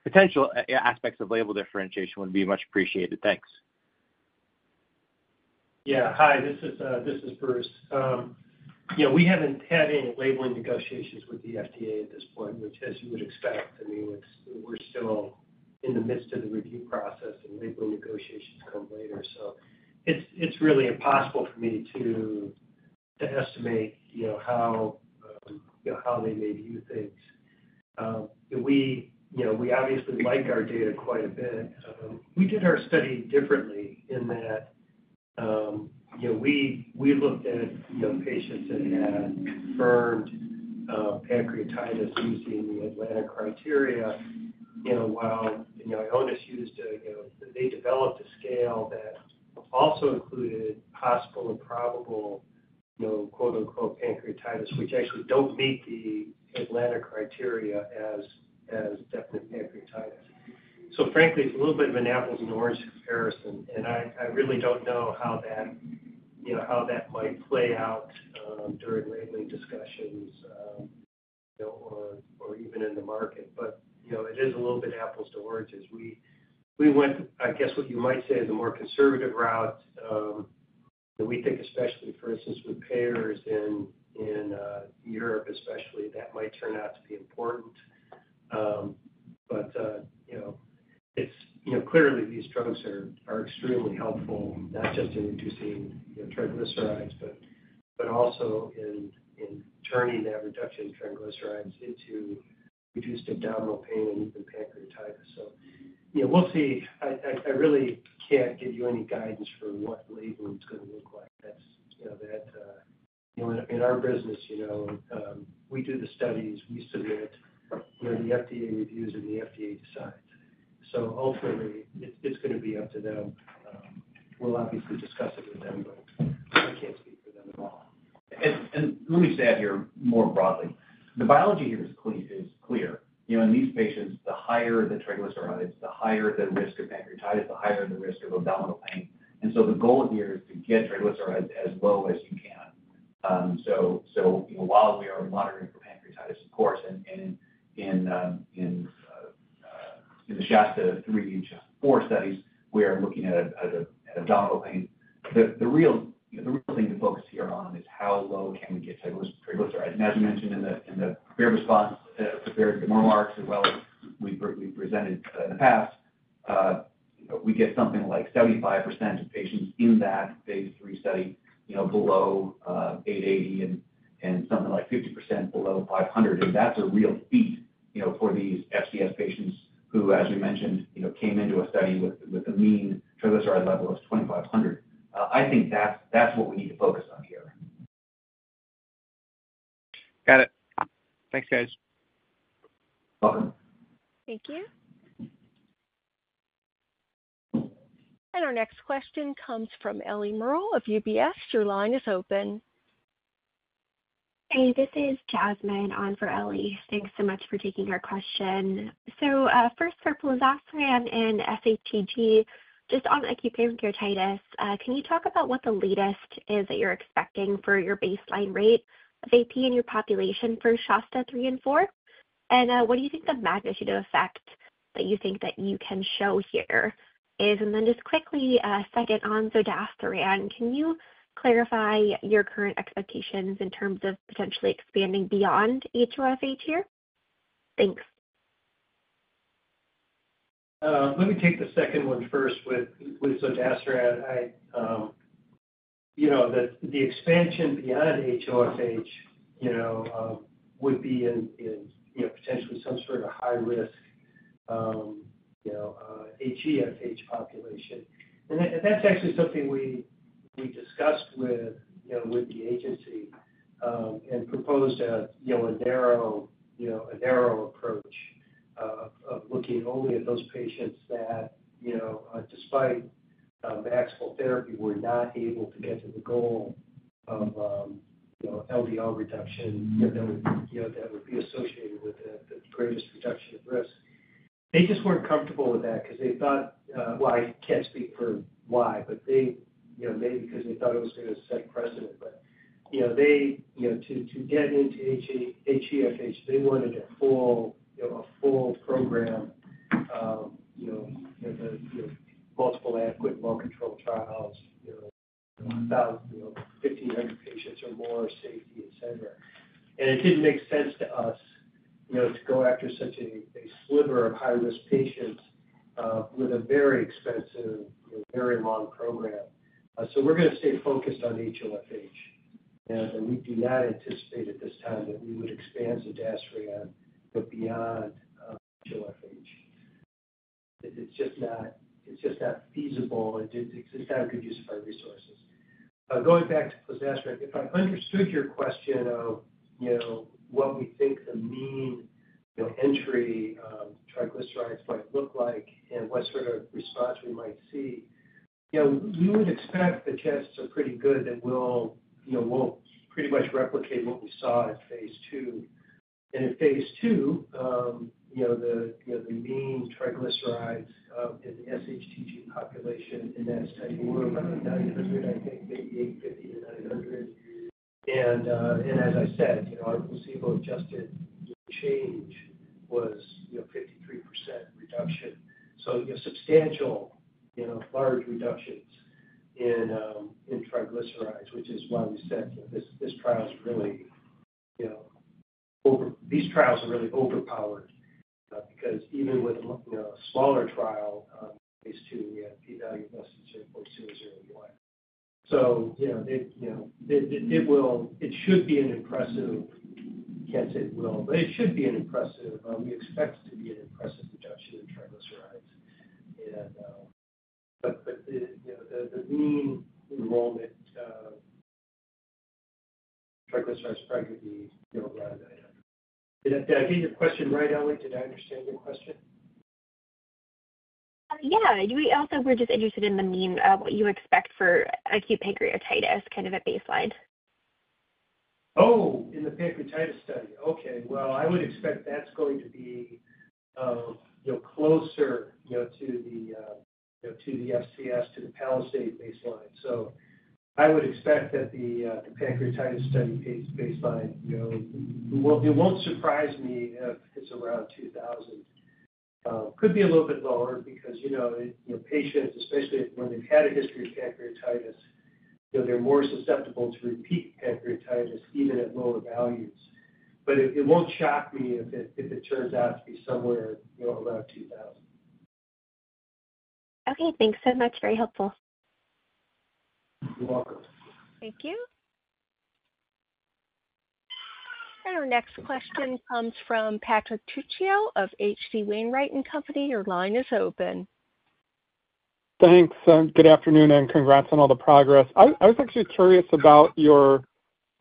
potential aspects of label differentiation would be much appreciated. Thanks. Yeah. Hi, this is Bruce. We have not had any labeling negotiations with the FDA at this point, which, as you would expect, I mean, we are still in the midst of the review process, and labeling negotiations come later. It is really impossible for me to estimate how they may view things. We obviously like our data quite a bit. We did our study differently in that we looked at patients that had confirmed pancreatitis using the Atlanta criteria, while Ionis used a they developed a scale that also included possible and probable "pancreatitis," which actually do not meet the Atlanta criteria as definite pancreatitis. Frankly, it is a little bit of an apples-to-orange comparison, and I really do not know how that might play out during labeling discussions or even in the market. It is a little bit apples-to-oranges. We went, I guess, what you might say is a more conservative route. We think, especially, for instance, with payers in Europe, especially, that might turn out to be important. Clearly, these drugs are extremely helpful, not just in reducing triglycerides, but also in turning that reduction of triglycerides into reduced abdominal pain and even pancreatitis. We will see. I really cannot give you any guidance for what labeling is going to look like. In our business, we do the studies. We submit. The FDA reviews and the FDA decides. Ultimately, it is going to be up to them. We will obviously discuss it with them, but I cannot speak for them at all. Let me say that here more broadly. The biology here is clear. In these patients, the higher the triglycerides, the higher the risk of pancreatitis, the higher the risk of abdominal pain. The goal here is to get triglycerides as low as you can. While we are monitoring for pancreatitis, of course, and in the SHASTA-3, SHASTA-4 studies, we are looking at abdominal pain. The real thing to focus here on is how low can we get triglycerides? As you mentioned in the prepared response for the marks, as well as we've presented in the past, we get something like 75% of patients in that phase three study below 880 mg and something like 50% below 500. That is a real feat for these FCS patients who, as you mentioned, came into a study with a mean triglyceride level of 2,500 mg. I think that's what we need to focus on here. Got it. Thanks, guys. Welcome. Thank you. Our next question comes from Ellie Merle of UBS. Your line is open. Hey, this is Jasmine, on for Ellie. Thanks so much for taking our question. First, for Plozasiran and SHTG, just on acute pancreatitis, can you talk about what the latest is that you're expecting for your baseline rate of AP in your population for SHASTA-3 and SHASTA-4? What do you think the magnitude of effect that you think that you can show here is? Quickly, a second on Zodasiran. Can you clarify your current expectations in terms of potentially expanding beyond HoFH here? Thanks. Let me take the second one first with Zodasiran. The expansion beyond HoFH would be in potentially some sort of high-risk HeFH population. That's actually something we discussed with the agency and proposed a narrow approach of looking only at those patients that, despite maximal therapy, were not able to get to the goal of LDL reduction that would be associated with the greatest reduction of risk. They just were not comfortable with that because they thought, well, I cannot speak for why, but maybe because they thought it was going to set precedent. To get into HeFH, they wanted a full program, multiple adequate well-controlled trials, 1,500 patients or more, safety, etc. It did not make sense to us to go after such a sliver of high-risk patients with a very expensive, very long program. We are going to stay focused on HoFH. We do not anticipate at this time that we would expand zodasiran beyond HoFH. It is just not feasible. It is just not a good use of our resources. Going back to Plozasiran, if I understood your question of what we think the mean entry triglycerides might look like and what sort of response we might see, we would expect the tests are pretty good that will pretty much replicate what we saw in phase two. In phase two, the mean triglycerides in the FHTG population in that study were around 900, I think, maybe 850-900. As I said, our placebo-adjusted change was 53% reduction. Substantial large reductions in triglycerides, which is why we said this trial is really, these trials are really overpowered because even with a smaller trial in phase two, we had a p-value of less than 0.201. It should be an impressive—can't say it will, but it should be an impressive. We expect it to be an impressive reduction in triglycerides. But the mean enrollment of triglycerides is going to be around 900. Did I get your question right, Ellie? Did I understand your question? Yeah. We also were just interested in the mean of what you expect for acute pancreatitis kind of at baseline. Oh, in the pancreatitis study. Okay. I would expect that is going to be closer to the FCS, to the Palisade baseline. I would expect that the pancreatitis study baseline—it will not surprise me if it is around 2,000. Could be a little bit lower because patients, especially when they have had a history of pancreatitis, they are more susceptible to repeat pancreatitis even at lower values. But it will not shock me if it turns out to be somewhere around 2,000. Okay. Thanks so much. Very helpful. You are welcome. Thank you. Our next question comes from Patrick Tuccio of H.C. Wainwright & Company. Your line is open. Thanks. Good afternoon and congrats on all the progress. I was actually curious about your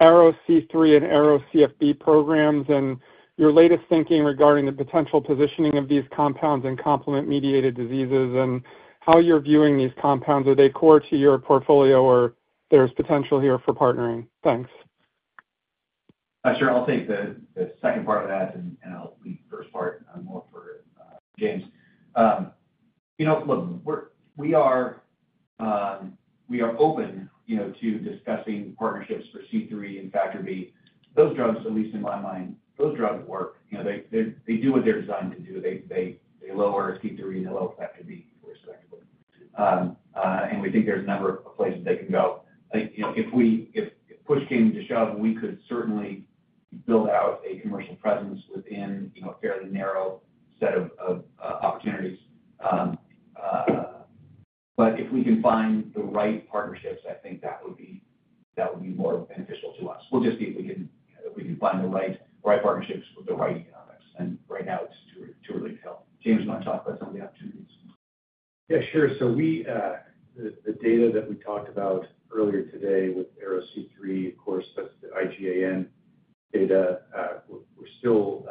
ARO-C3 and ARO-CFB programs and your latest thinking regarding the potential positioning of these compounds in complement-mediated diseases and how you're viewing these compounds. Are they core to your portfolio or there's potential here for partnering? Thanks. Sure. I'll take the second part of that and I'll leave the first part more for James. Look, we are open to discussing partnerships for C3 and Factor B. Those drugs, at least in my mind, those drugs work. They do what they're designed to do. They lower C3 and they lower Factor B, respectively. We think there's a number of places they can go. If push came to shove, we could certainly build out a commercial presence within a fairly narrow set of opportunities. If we can find the right partnerships, I think that would be more beneficial to us. We'll just see if we can find the right partnerships with the right economics. Right now, it's too early to tell. James, you want to talk about some of the opportunities? Yeah, sure. The data that we talked about earlier today with ARO-C3, of course, that's the IgA nephropathy data. We're still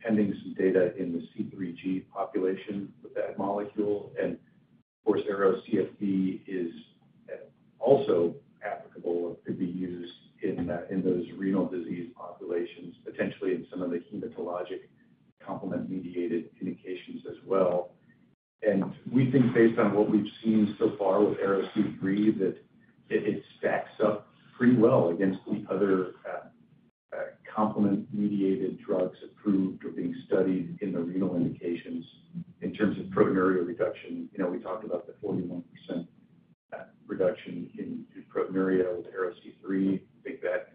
pending some data in the C3G population with that molecule. Of course, ARO-CFB is also applicable or could be used in those renal disease populations, potentially in some of the hematologic complement-mediated indications as well. We think based on what we've seen so far with ARO-C3 that it stacks up pretty well against the other complement-mediated drugs approved or being studied in the renal indications in terms of proteinuria reduction. We talked about the 41% reduction in proteinuria with ARO-C3. I think that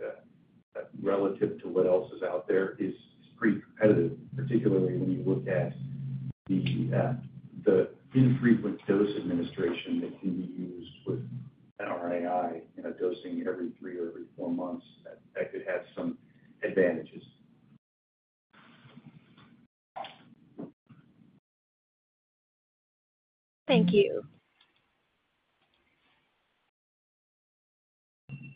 relative to what else is out there is pretty competitive, particularly when you look at the infrequent dose administration that can be used with an RNAi dosing every three or every four months. That could have some advantages. Thank you.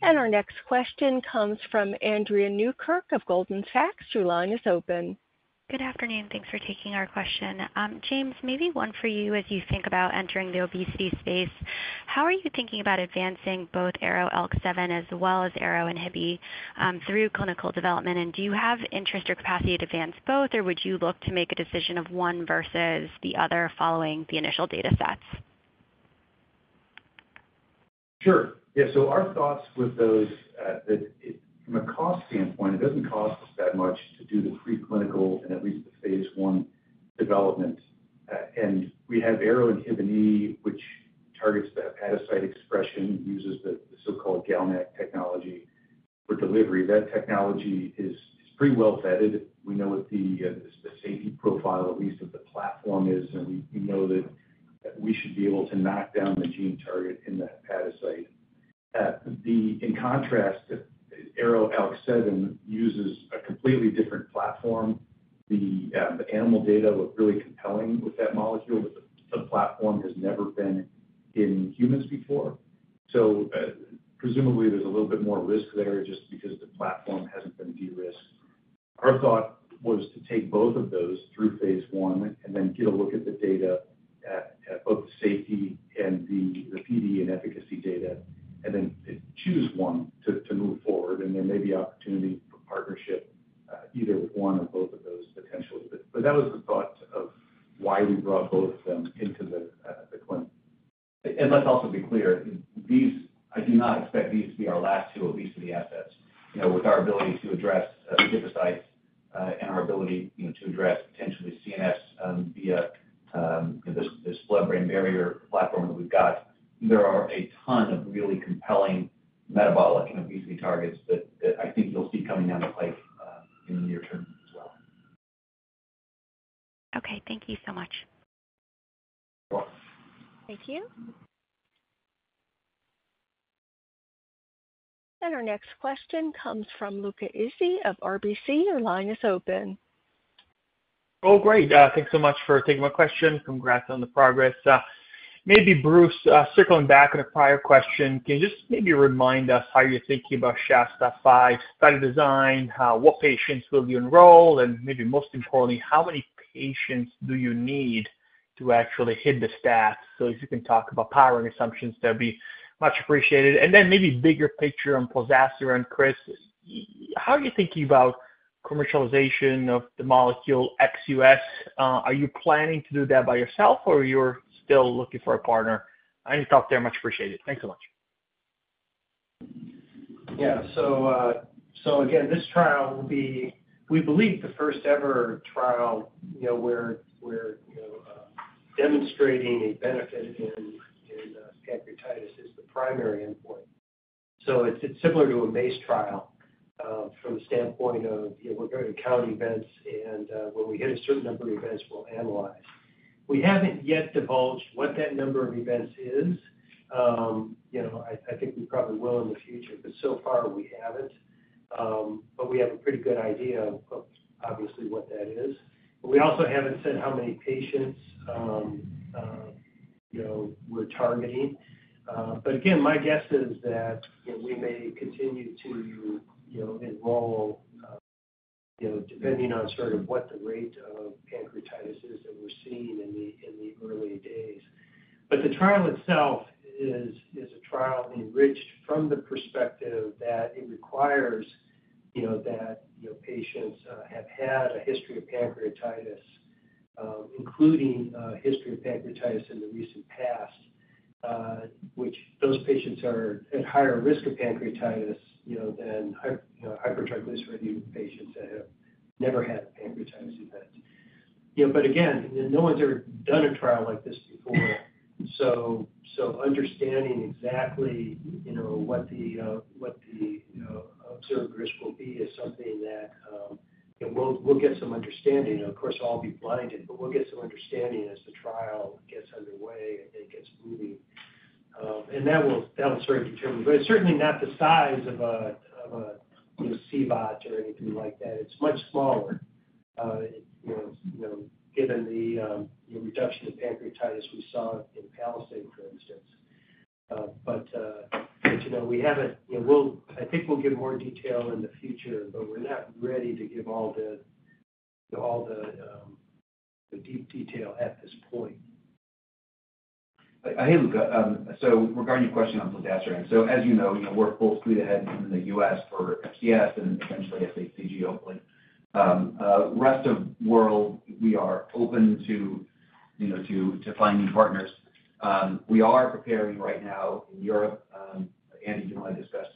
Our next question comes from Andrea Newkirk of Goldman Sachs. Your line is open. Good afternoon. Thanks for taking our question. James, maybe one for you as you think about entering the obesity space. How are you thinking about advancing both ARO-ALK7 as well as ARO-INHBE through clinical development? Do you have interest or capacity to advance both, or would you look to make a decision of one versus the other following the initial data sets? Sure. Yeah. Our thoughts with those from a cost standpoint, it does not cost us that much to do the preclinical and at least the phase one development. We have ARO-INHBE, which targets the hepatocyte expression, uses the so-called GalNAc technology for delivery. That technology is pretty well vetted. We know what the safety profile, at least of the platform, is. We know that we should be able to knock down the gene target in the hepatocyte. In contrast, ARO-ALK7 uses a completely different platform. The animal data look really compelling with that molecule, but the platform has never been in humans before. Presumably, there is a little bit more risk there just because the platform has not been de-risked. Our thought was to take both of those through phase one and then get a look at the data, both the safety and the PD and efficacy data, and then choose one to move forward. There may be opportunity for partnership either with one or both of those potentially. That was the thought of why we brought both of them into the clinic. Let's also be clear. I do not expect these to be our last two obesity assets with our ability to address adipocytes and our ability to address potentially CNS via this blood-brain barrier platform that we've got. There are a ton of really compelling metabolic and obesity targets that I think you'll see coming down the pike in the near term as well. Okay. Thank you so much. You're welcome. Thank you. Our next question comes from Luca Issi of RBC. Your line is open. Oh, great. Thanks so much for taking my question. Congrats on the progress. Maybe, Bruce, circling back on a prior question, can you just maybe remind us how you're thinking about SHASAT-5 study design, what patients will you enroll, and maybe most importantly, how many patients do you need to actually hit the stats? If you can talk about powering assumptions, that would be much appreciated. Then maybe bigger picture on Plozasiran, Chris, how are you thinking about commercialization of the molecule ex-U.S.? Are you planning to do that by yourself, or are you still looking for a partner? Any thoughts there? Much appreciated. Thanks so much. Yeah. Again, this trial will be, we believe, the first-ever trial where we're demonstrating a benefit in pancreatitis as the primary endpoint. It's similar to a MACE trial from the standpoint of we're going to count events, and when we hit a certain number of events, we'll analyze. We haven't yet divulged what that number of events is. I think we probably will in the future, but so far, we haven't. We have a pretty good idea of, obviously, what that is. We also haven't said how many patients we're targeting. Again, my guess is that we may continue to enroll depending on sort of what the rate of pancreatitis is that we're seeing in the early days. The trial itself is a trial enriched from the perspective that it requires that patients have had a history of pancreatitis, including a history of pancreatitis in the recent past, which, those patients are at higher risk of pancreatitis than hypertriglyceridemic patients that have never had a pancreatitis event. But again, no one's ever done a trial like this before. Understanding exactly what the observed risk will be is something that we'll get some understanding. Of course, I'll be blinded, but we'll get some understanding as the trial gets underway and gets moving. That will sort of determine. It is certainly not the size of a CBOT or anything like that. It is much smaller given the reduction in pancreatitis we saw in Palisade, for instance. We have not—I think we'll give more detail in the future, but we're not ready to give all the deep detail at this point. Hey, Luca. Regarding your question on Plozasiran, as you know, we're full speed ahead in the U.S. for FCS and eventually SHTG, hopefully. Rest of the world, we are open to finding partners. We are preparing right now in Europe. Andy, do you want to discuss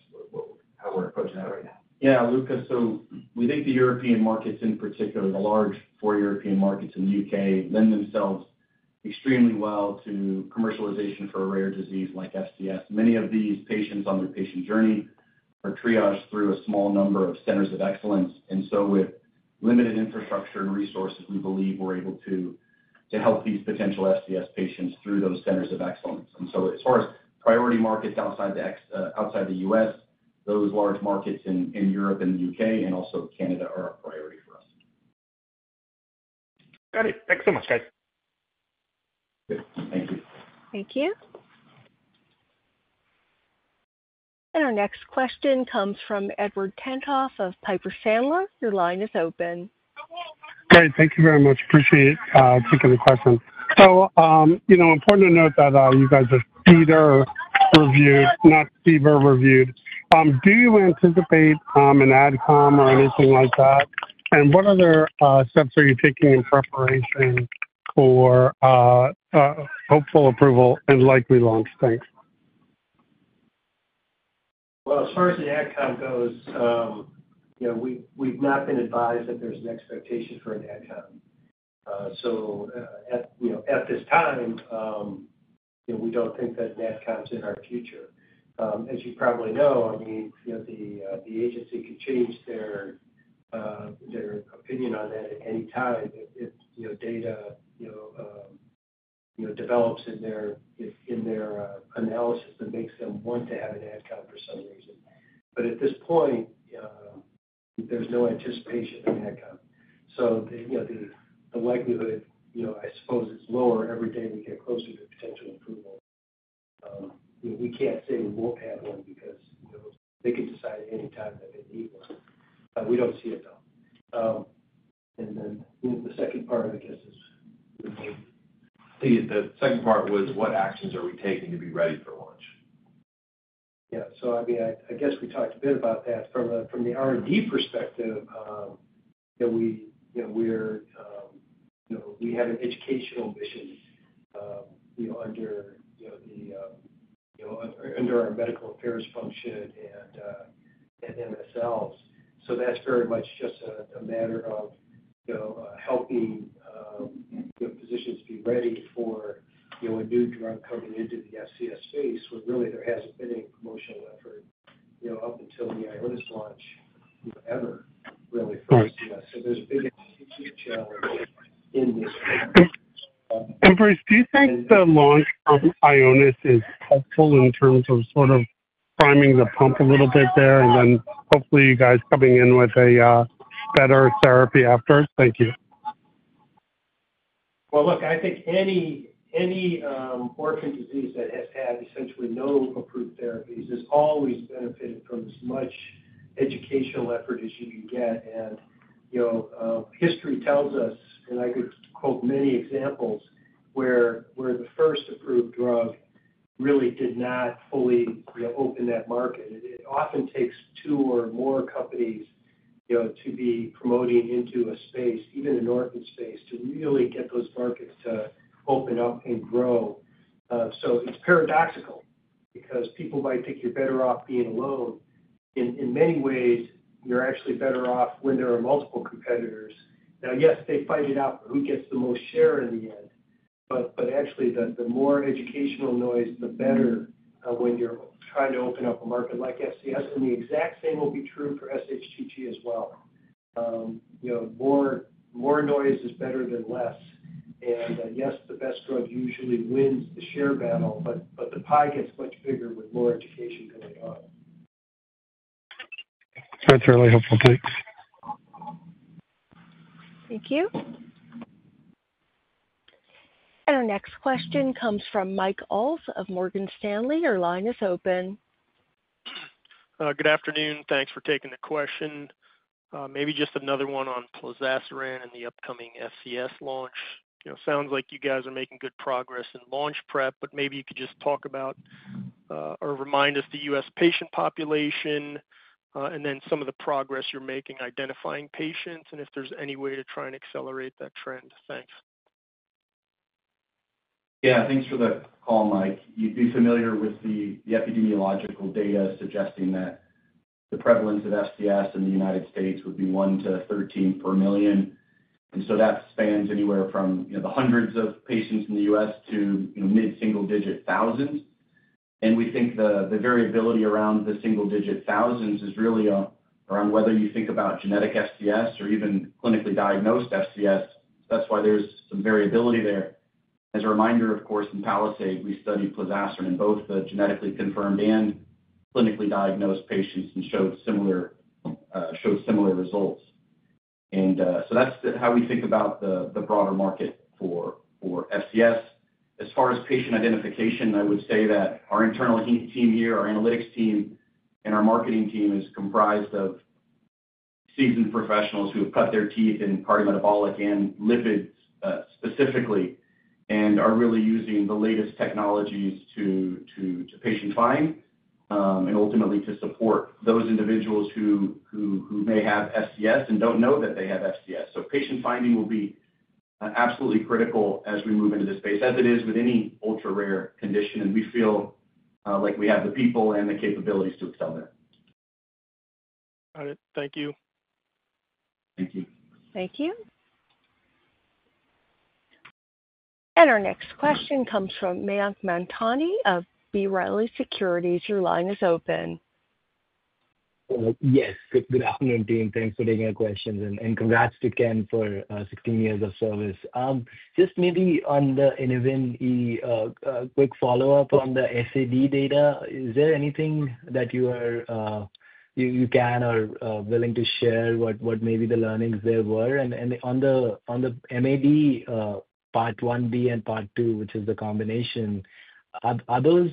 how we're approaching that right now? Yeah, Luca. We think the European markets in particular, the large four European markets and the U.K., lend themselves extremely well to commercialization for a rare disease like FCS. Many of these patients on their patient journey are triaged through a small number of centers of excellence. With limited infrastructure and resources, we believe we're able to help these potential FCS patients through those centers of excellence. As far as priority markets outside the U.S., those large markets in Europe and the U.K. and also Canada are a priority for us. Got it. Thanks so much, guys. Good. Thank you. Thank you. Our next question comes from Edward Tenthoff of Piper Sandler. Your line is open. Okay. Thank you very much. Appreciate taking the question. Important to note that you guys are CDER-reviewed, not CBER-reviewed. Do you anticipate an adcom or anything like that? What other steps are you taking in preparation for hopeful approval and likely launch? Thanks. As far as the adcom goes, we've not been advised that there's an expectation for an adcom. At this time, we don't think that an adcom's in our future. As you probably know, I mean, the agency could change their opinion on that at any time if data develops in their analysis that makes them want to have an adcom for some reason. At this point, there's no anticipation of an adcom. The likelihood, I suppose, is lower every day we get closer to potential approval. We can't say we won't have one because they could decide at any time that they need one. We don't see it, though. Then the second part, I guess, is the second part was what actions are we taking to be ready for launch? Yeah. I mean, I guess we talked a bit about that. From the R&D perspective, we have an educational mission under our medical affairs function and MSLs. That is very much just a matter of helping physicians be ready for a new drug coming into the FCS space when really there has not been any promotional effort up until the Ionis launch ever, really, for FCS. There is a big challenge in this space. Bruce, do you think the launch from Ionis is helpful in terms of sort of priming the pump a little bit there and then hopefully you guys coming in with a better therapy after? Thank you. I think any orphan disease that has had essentially no approved therapies has always benefited from as much educational effort as you can get. History tells us, and I could quote many examples where the first approved drug really did not fully open that market. It often takes two or more companies to be promoting into a space, even an orphan space, to really get those markets to open up and grow. It is paradoxical because people might think you are better off being alone. In many ways, you are actually better off when there are multiple competitors. Now, yes, they fight it out for who gets the most share in the end. Actually, the more educational noise, the better when you are trying to open up a market like FCS. The exact same will be true for SHTG as well. More noise is better than less. Yes, the best drug usually wins the share battle, but the pie gets much bigger with more education going on. That's really helpful. Thanks. Thank you. Our next question comes from Mike Ulz of Morgan Stanley. Your line is open. Good afternoon. Thanks for taking the question. Maybe just another one on Plozasiran and the upcoming FCS launch. Sounds like you guys are making good progress in launch prep, but maybe you could just talk about or remind us the U.S. patient population and then some of the progress you're making identifying patients and if there's any way to try and accelerate that trend. Thanks. Yeah. Thanks for the call, Mike. You'd be familiar with the epidemiological data suggesting that the prevalence of FCS in the United States would be one to 13 per million. That spans anywhere from the hundreds of patients in the U.S. to mid-single-digit thousands. We think the variability around the single-digit thousands is really around whether you think about genetic FCS or even clinically diagnosed FCS. That is why there is some variability there. As a reminder, of course, in Palisade, we studied Plozasiran in both the genetically confirmed and clinically diagnosed patients and showed similar results. That is how we think about the broader market for FCS. As far as patient identification, I would say that our internal team here, our analytics team, and our marketing team is comprised of seasoned professionals who have cut their teeth in cardiometabolic and lipids specifically and are really using the latest technologies to patient find and ultimately to support those individuals who may have FCS and do not know that they have FCS. Patient finding will be absolutely critical as we move into this space, as it is with any ultra-rare condition. We feel like we have the people and the capabilities to excel there. Got it. Thank you. Thank you. Thank you. Our next question comes from Mayank Mamtani of B. Riley Securities. Your line is open. Yes. Good afternoon, Dean. Thanks for taking the question. Congrats to Ken for 16 years of service. Just maybe on the INHBE, a quick follow-up on the SAD data. Is there anything that you can or are willing to share, what maybe the learnings there were? On the MAD, part 1b and part 2, which is the combination, are those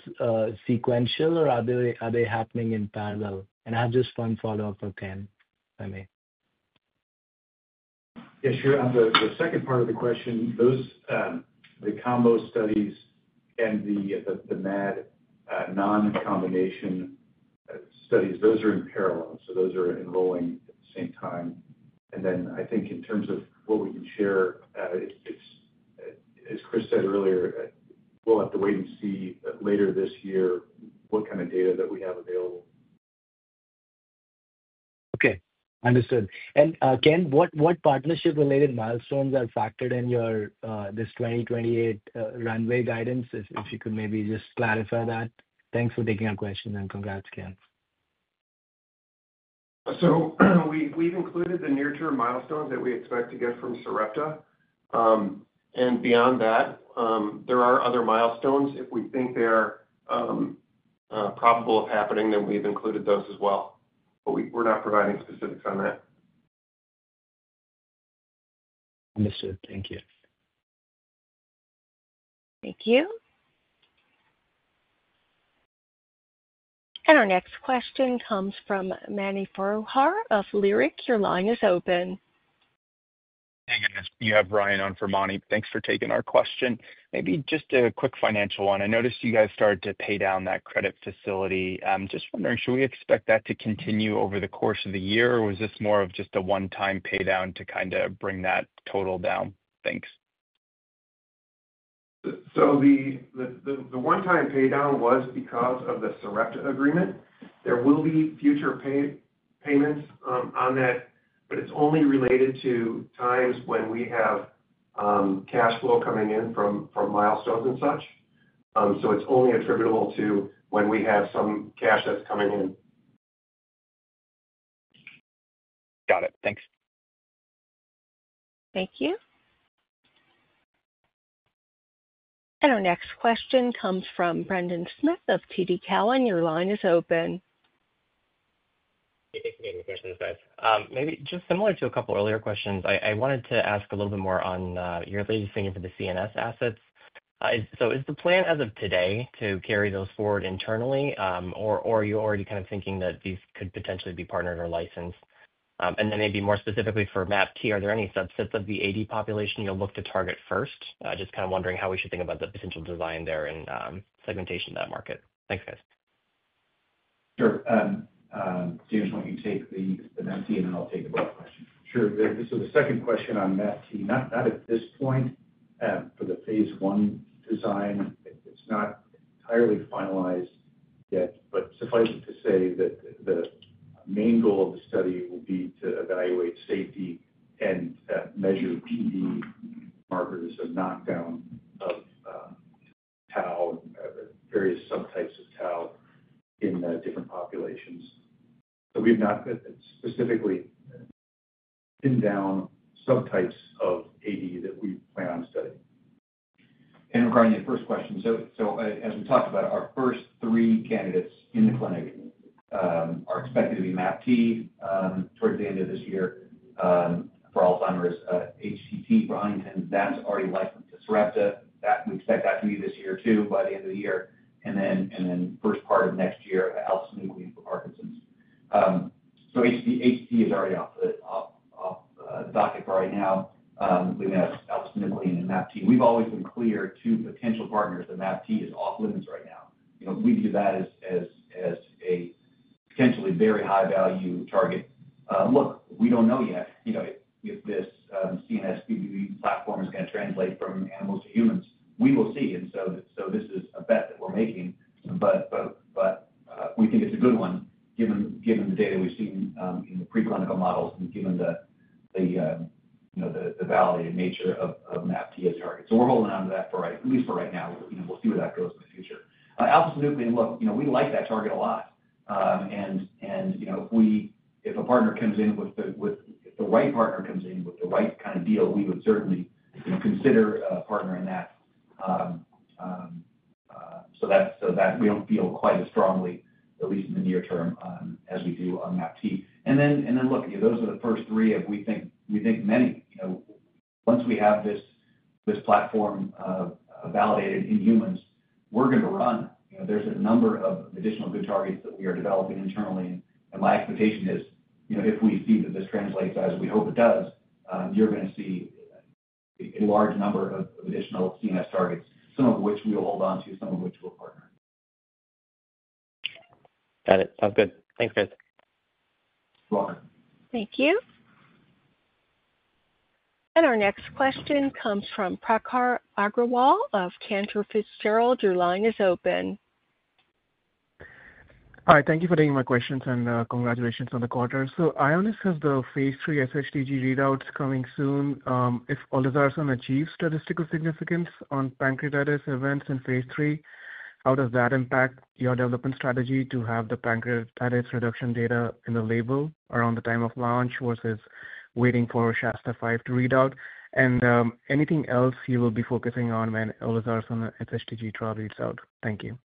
sequential or are they happening in parallel? I have just one follow-up for Ken, if I may. Yeah, sure. On the second part of the question, the combo studies and the non-combination studies, those are in parallel. Those are enrolling at the same time. I think in terms of what we can share, as Chris said earlier, we'll have to wait and see later this year what kind of data that we have available. Okay. Understood. Ken, what partnership-related milestones are factored in this 2028 runway guidance? If you could maybe just clarify that. Thanks for taking our question and congrats, Ken. We've included the near-term milestones that we expect to get from Sarepta. Beyond that, there are other milestones. If we think they are probable of happening, then we've included those as well. We're not providing specifics on that. Understood. Thank you. Thank you. Our next question comes from Mani Foroohar Farouhar of Leerink. Your line is open. Hey, guys. You have Ryan on for Mani Foroohar. Thanks for taking our question. Maybe just a quick financial one. I noticed you guys started to pay down that credit facility. Just wondering, should we expect that to continue over the course of the year, or was this more of just a one-time paydown to kind of bring that total down? Thanks. The one-time paydown was because of the Sarepta agreement. There will be future payments on that, but it's only related to times when we have cash flow coming in from milestones and such. It's only attributable to when we have some cash that's coming in. Got it. Thanks. Thank you. Our next question comes from Brendan Smith of TD Cowen. Your line is open. Hey, thanks for taking the question, guys. Maybe just similar to a couple of earlier questions, I wanted to ask a little bit more on your latest thing for the CNS assets. Is the plan as of today to carry those forward internally, or are you already kind of thinking that these could potentially be partnered or licensed? Maybe more specifically for MAPT, are there any subsets of the AD population you'll look to target first? Just kind of wondering how we should think about the potential design there and segmentation of that market. Thanks, guys. Sure. Dean, why don't you take the MC, and then I'll take the broad question. Sure. The second question on MAPT, not at this point for the phase one design. It's not entirely finalized yet, but suffice it to say that the main goal of the study will be to evaluate safety and measure PD markers of knockdown of tau and various subtypes of tau in different populations. We've not specifically pinned down subtypes of AD that we plan on studying. Regarding your first question, as we talked about, our first three candidates in the clinic are expected to be MAPT towards waiting for SHASTA-5 to read out? Anything else you will be focusing on when Alzheimer's sHTG trial reads out? Thank you.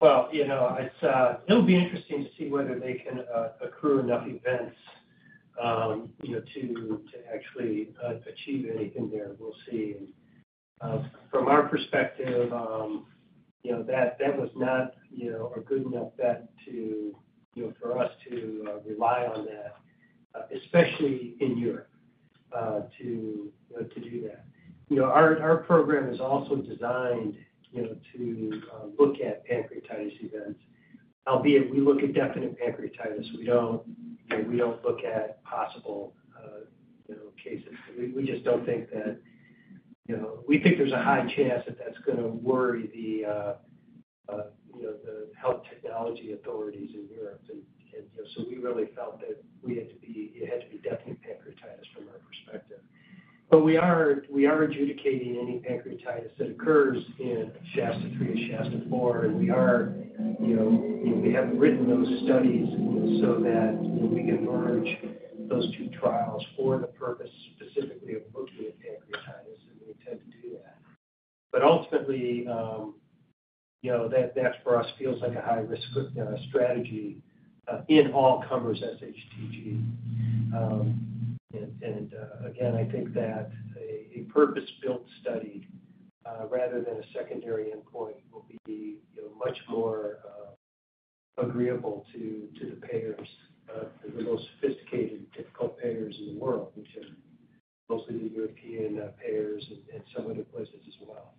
It will be interesting to see whether they can accrue enough events to actually achieve anything there. We will see. From our perspective, that was not a good enough bet for us to rely on that, especially in Europe, to do that. Our program is also designed to look at pancreatitis events, albeit we look at definite pancreatitis. We do not look at possible cases. We just do not think that we think there is a high chance that that is going to worry the health technology authorities in Europe. We really felt that it had to be definite pancreatitis from our perspective. We are adjudicating any pancreatitis that occurs in SHASTA-3 and SHASTAs4. We have written those studies so that we can merge those two trials for the purpose specifically of looking at pancreatitis. We intend to do that. Ultimately, that for us feels like a high-risk strategy in all comers SHTG. I think that a purpose-built study rather than a secondary endpoint will be much more agreeable to the payers, the most sophisticated, difficult payers in the world, which are mostly the European payers and some other places as well.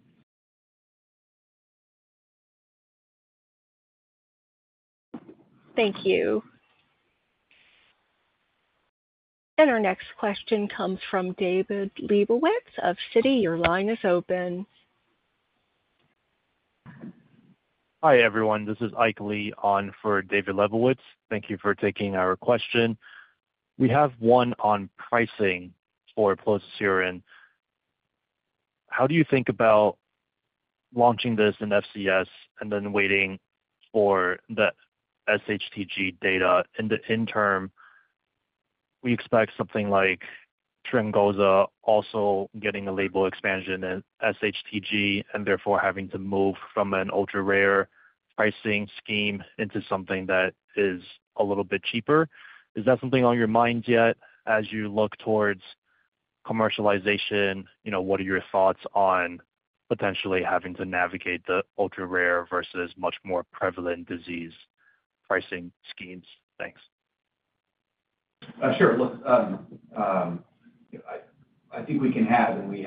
Thank you. Our next question comes from David Lebowitz of Citi. Your line is open. Hi, everyone. This is Ike Lee on for David Liebowitz. Thank you for taking our question. We have one on pricing for Plozasiran. How do you think about launching this in FCS and then waiting for the SHTG data in the interim? We expect something like zodasiran also getting a label expansion in SHTG and therefore having to move from an ultra-rare pricing scheme into something that is a little bit cheaper. Is that something on your mind yet as you look towards commercialization? What are your thoughts on potentially having to navigate the ultra-rare versus much more prevalent disease pricing schemes? Thanks. Sure. Look, I think we can have and we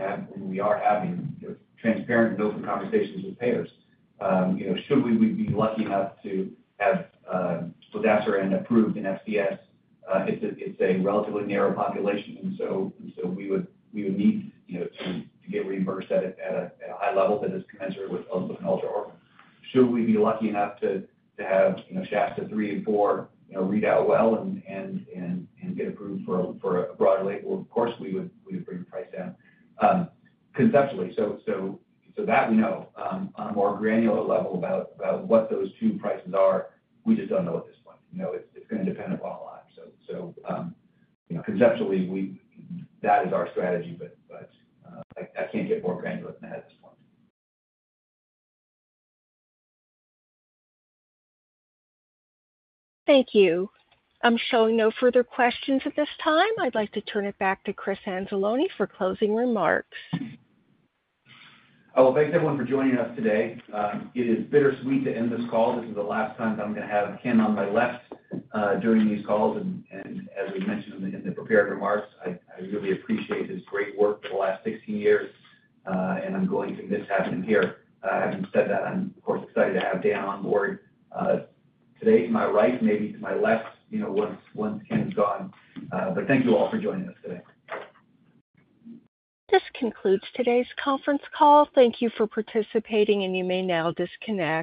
are having transparent and open conversations with payers. Should we be lucky enough to have plozasiran approved in FCS, it's a relatively narrow population. And so we would need to get reimbursed at a high level that is commensurate with an ultra-rare. Should we be lucky enough to have SHASTA-3 and SHASTA-4 read out well and get approved for a broader label, of course, we would bring the price down. Conceptually. So that we know. On a more granular level about what those two prices are, we just do not know at this point. It is going to depend upon a lot. Conceptually, that is our strategy, but I cannot get more granular than that at this point. Thank you. I am showing no further questions at this time. I would like to turn it back to Chris Anzalone for closing remarks. Thanks, everyone, for joining us today. It is bittersweet to end this call. This is the last time that I am going to have Ken on my left during these calls. As we mentioned in the prepared remarks, I really appreciate his great work for the last 16 years. I am going to miss having him here. Having said that, I am, of course, excited to have Dan on board today to my right, maybe to my left once Ken is gone. Thank you all for joining us today. This concludes today's conference call. Thank you for participating, and you may now disconnect.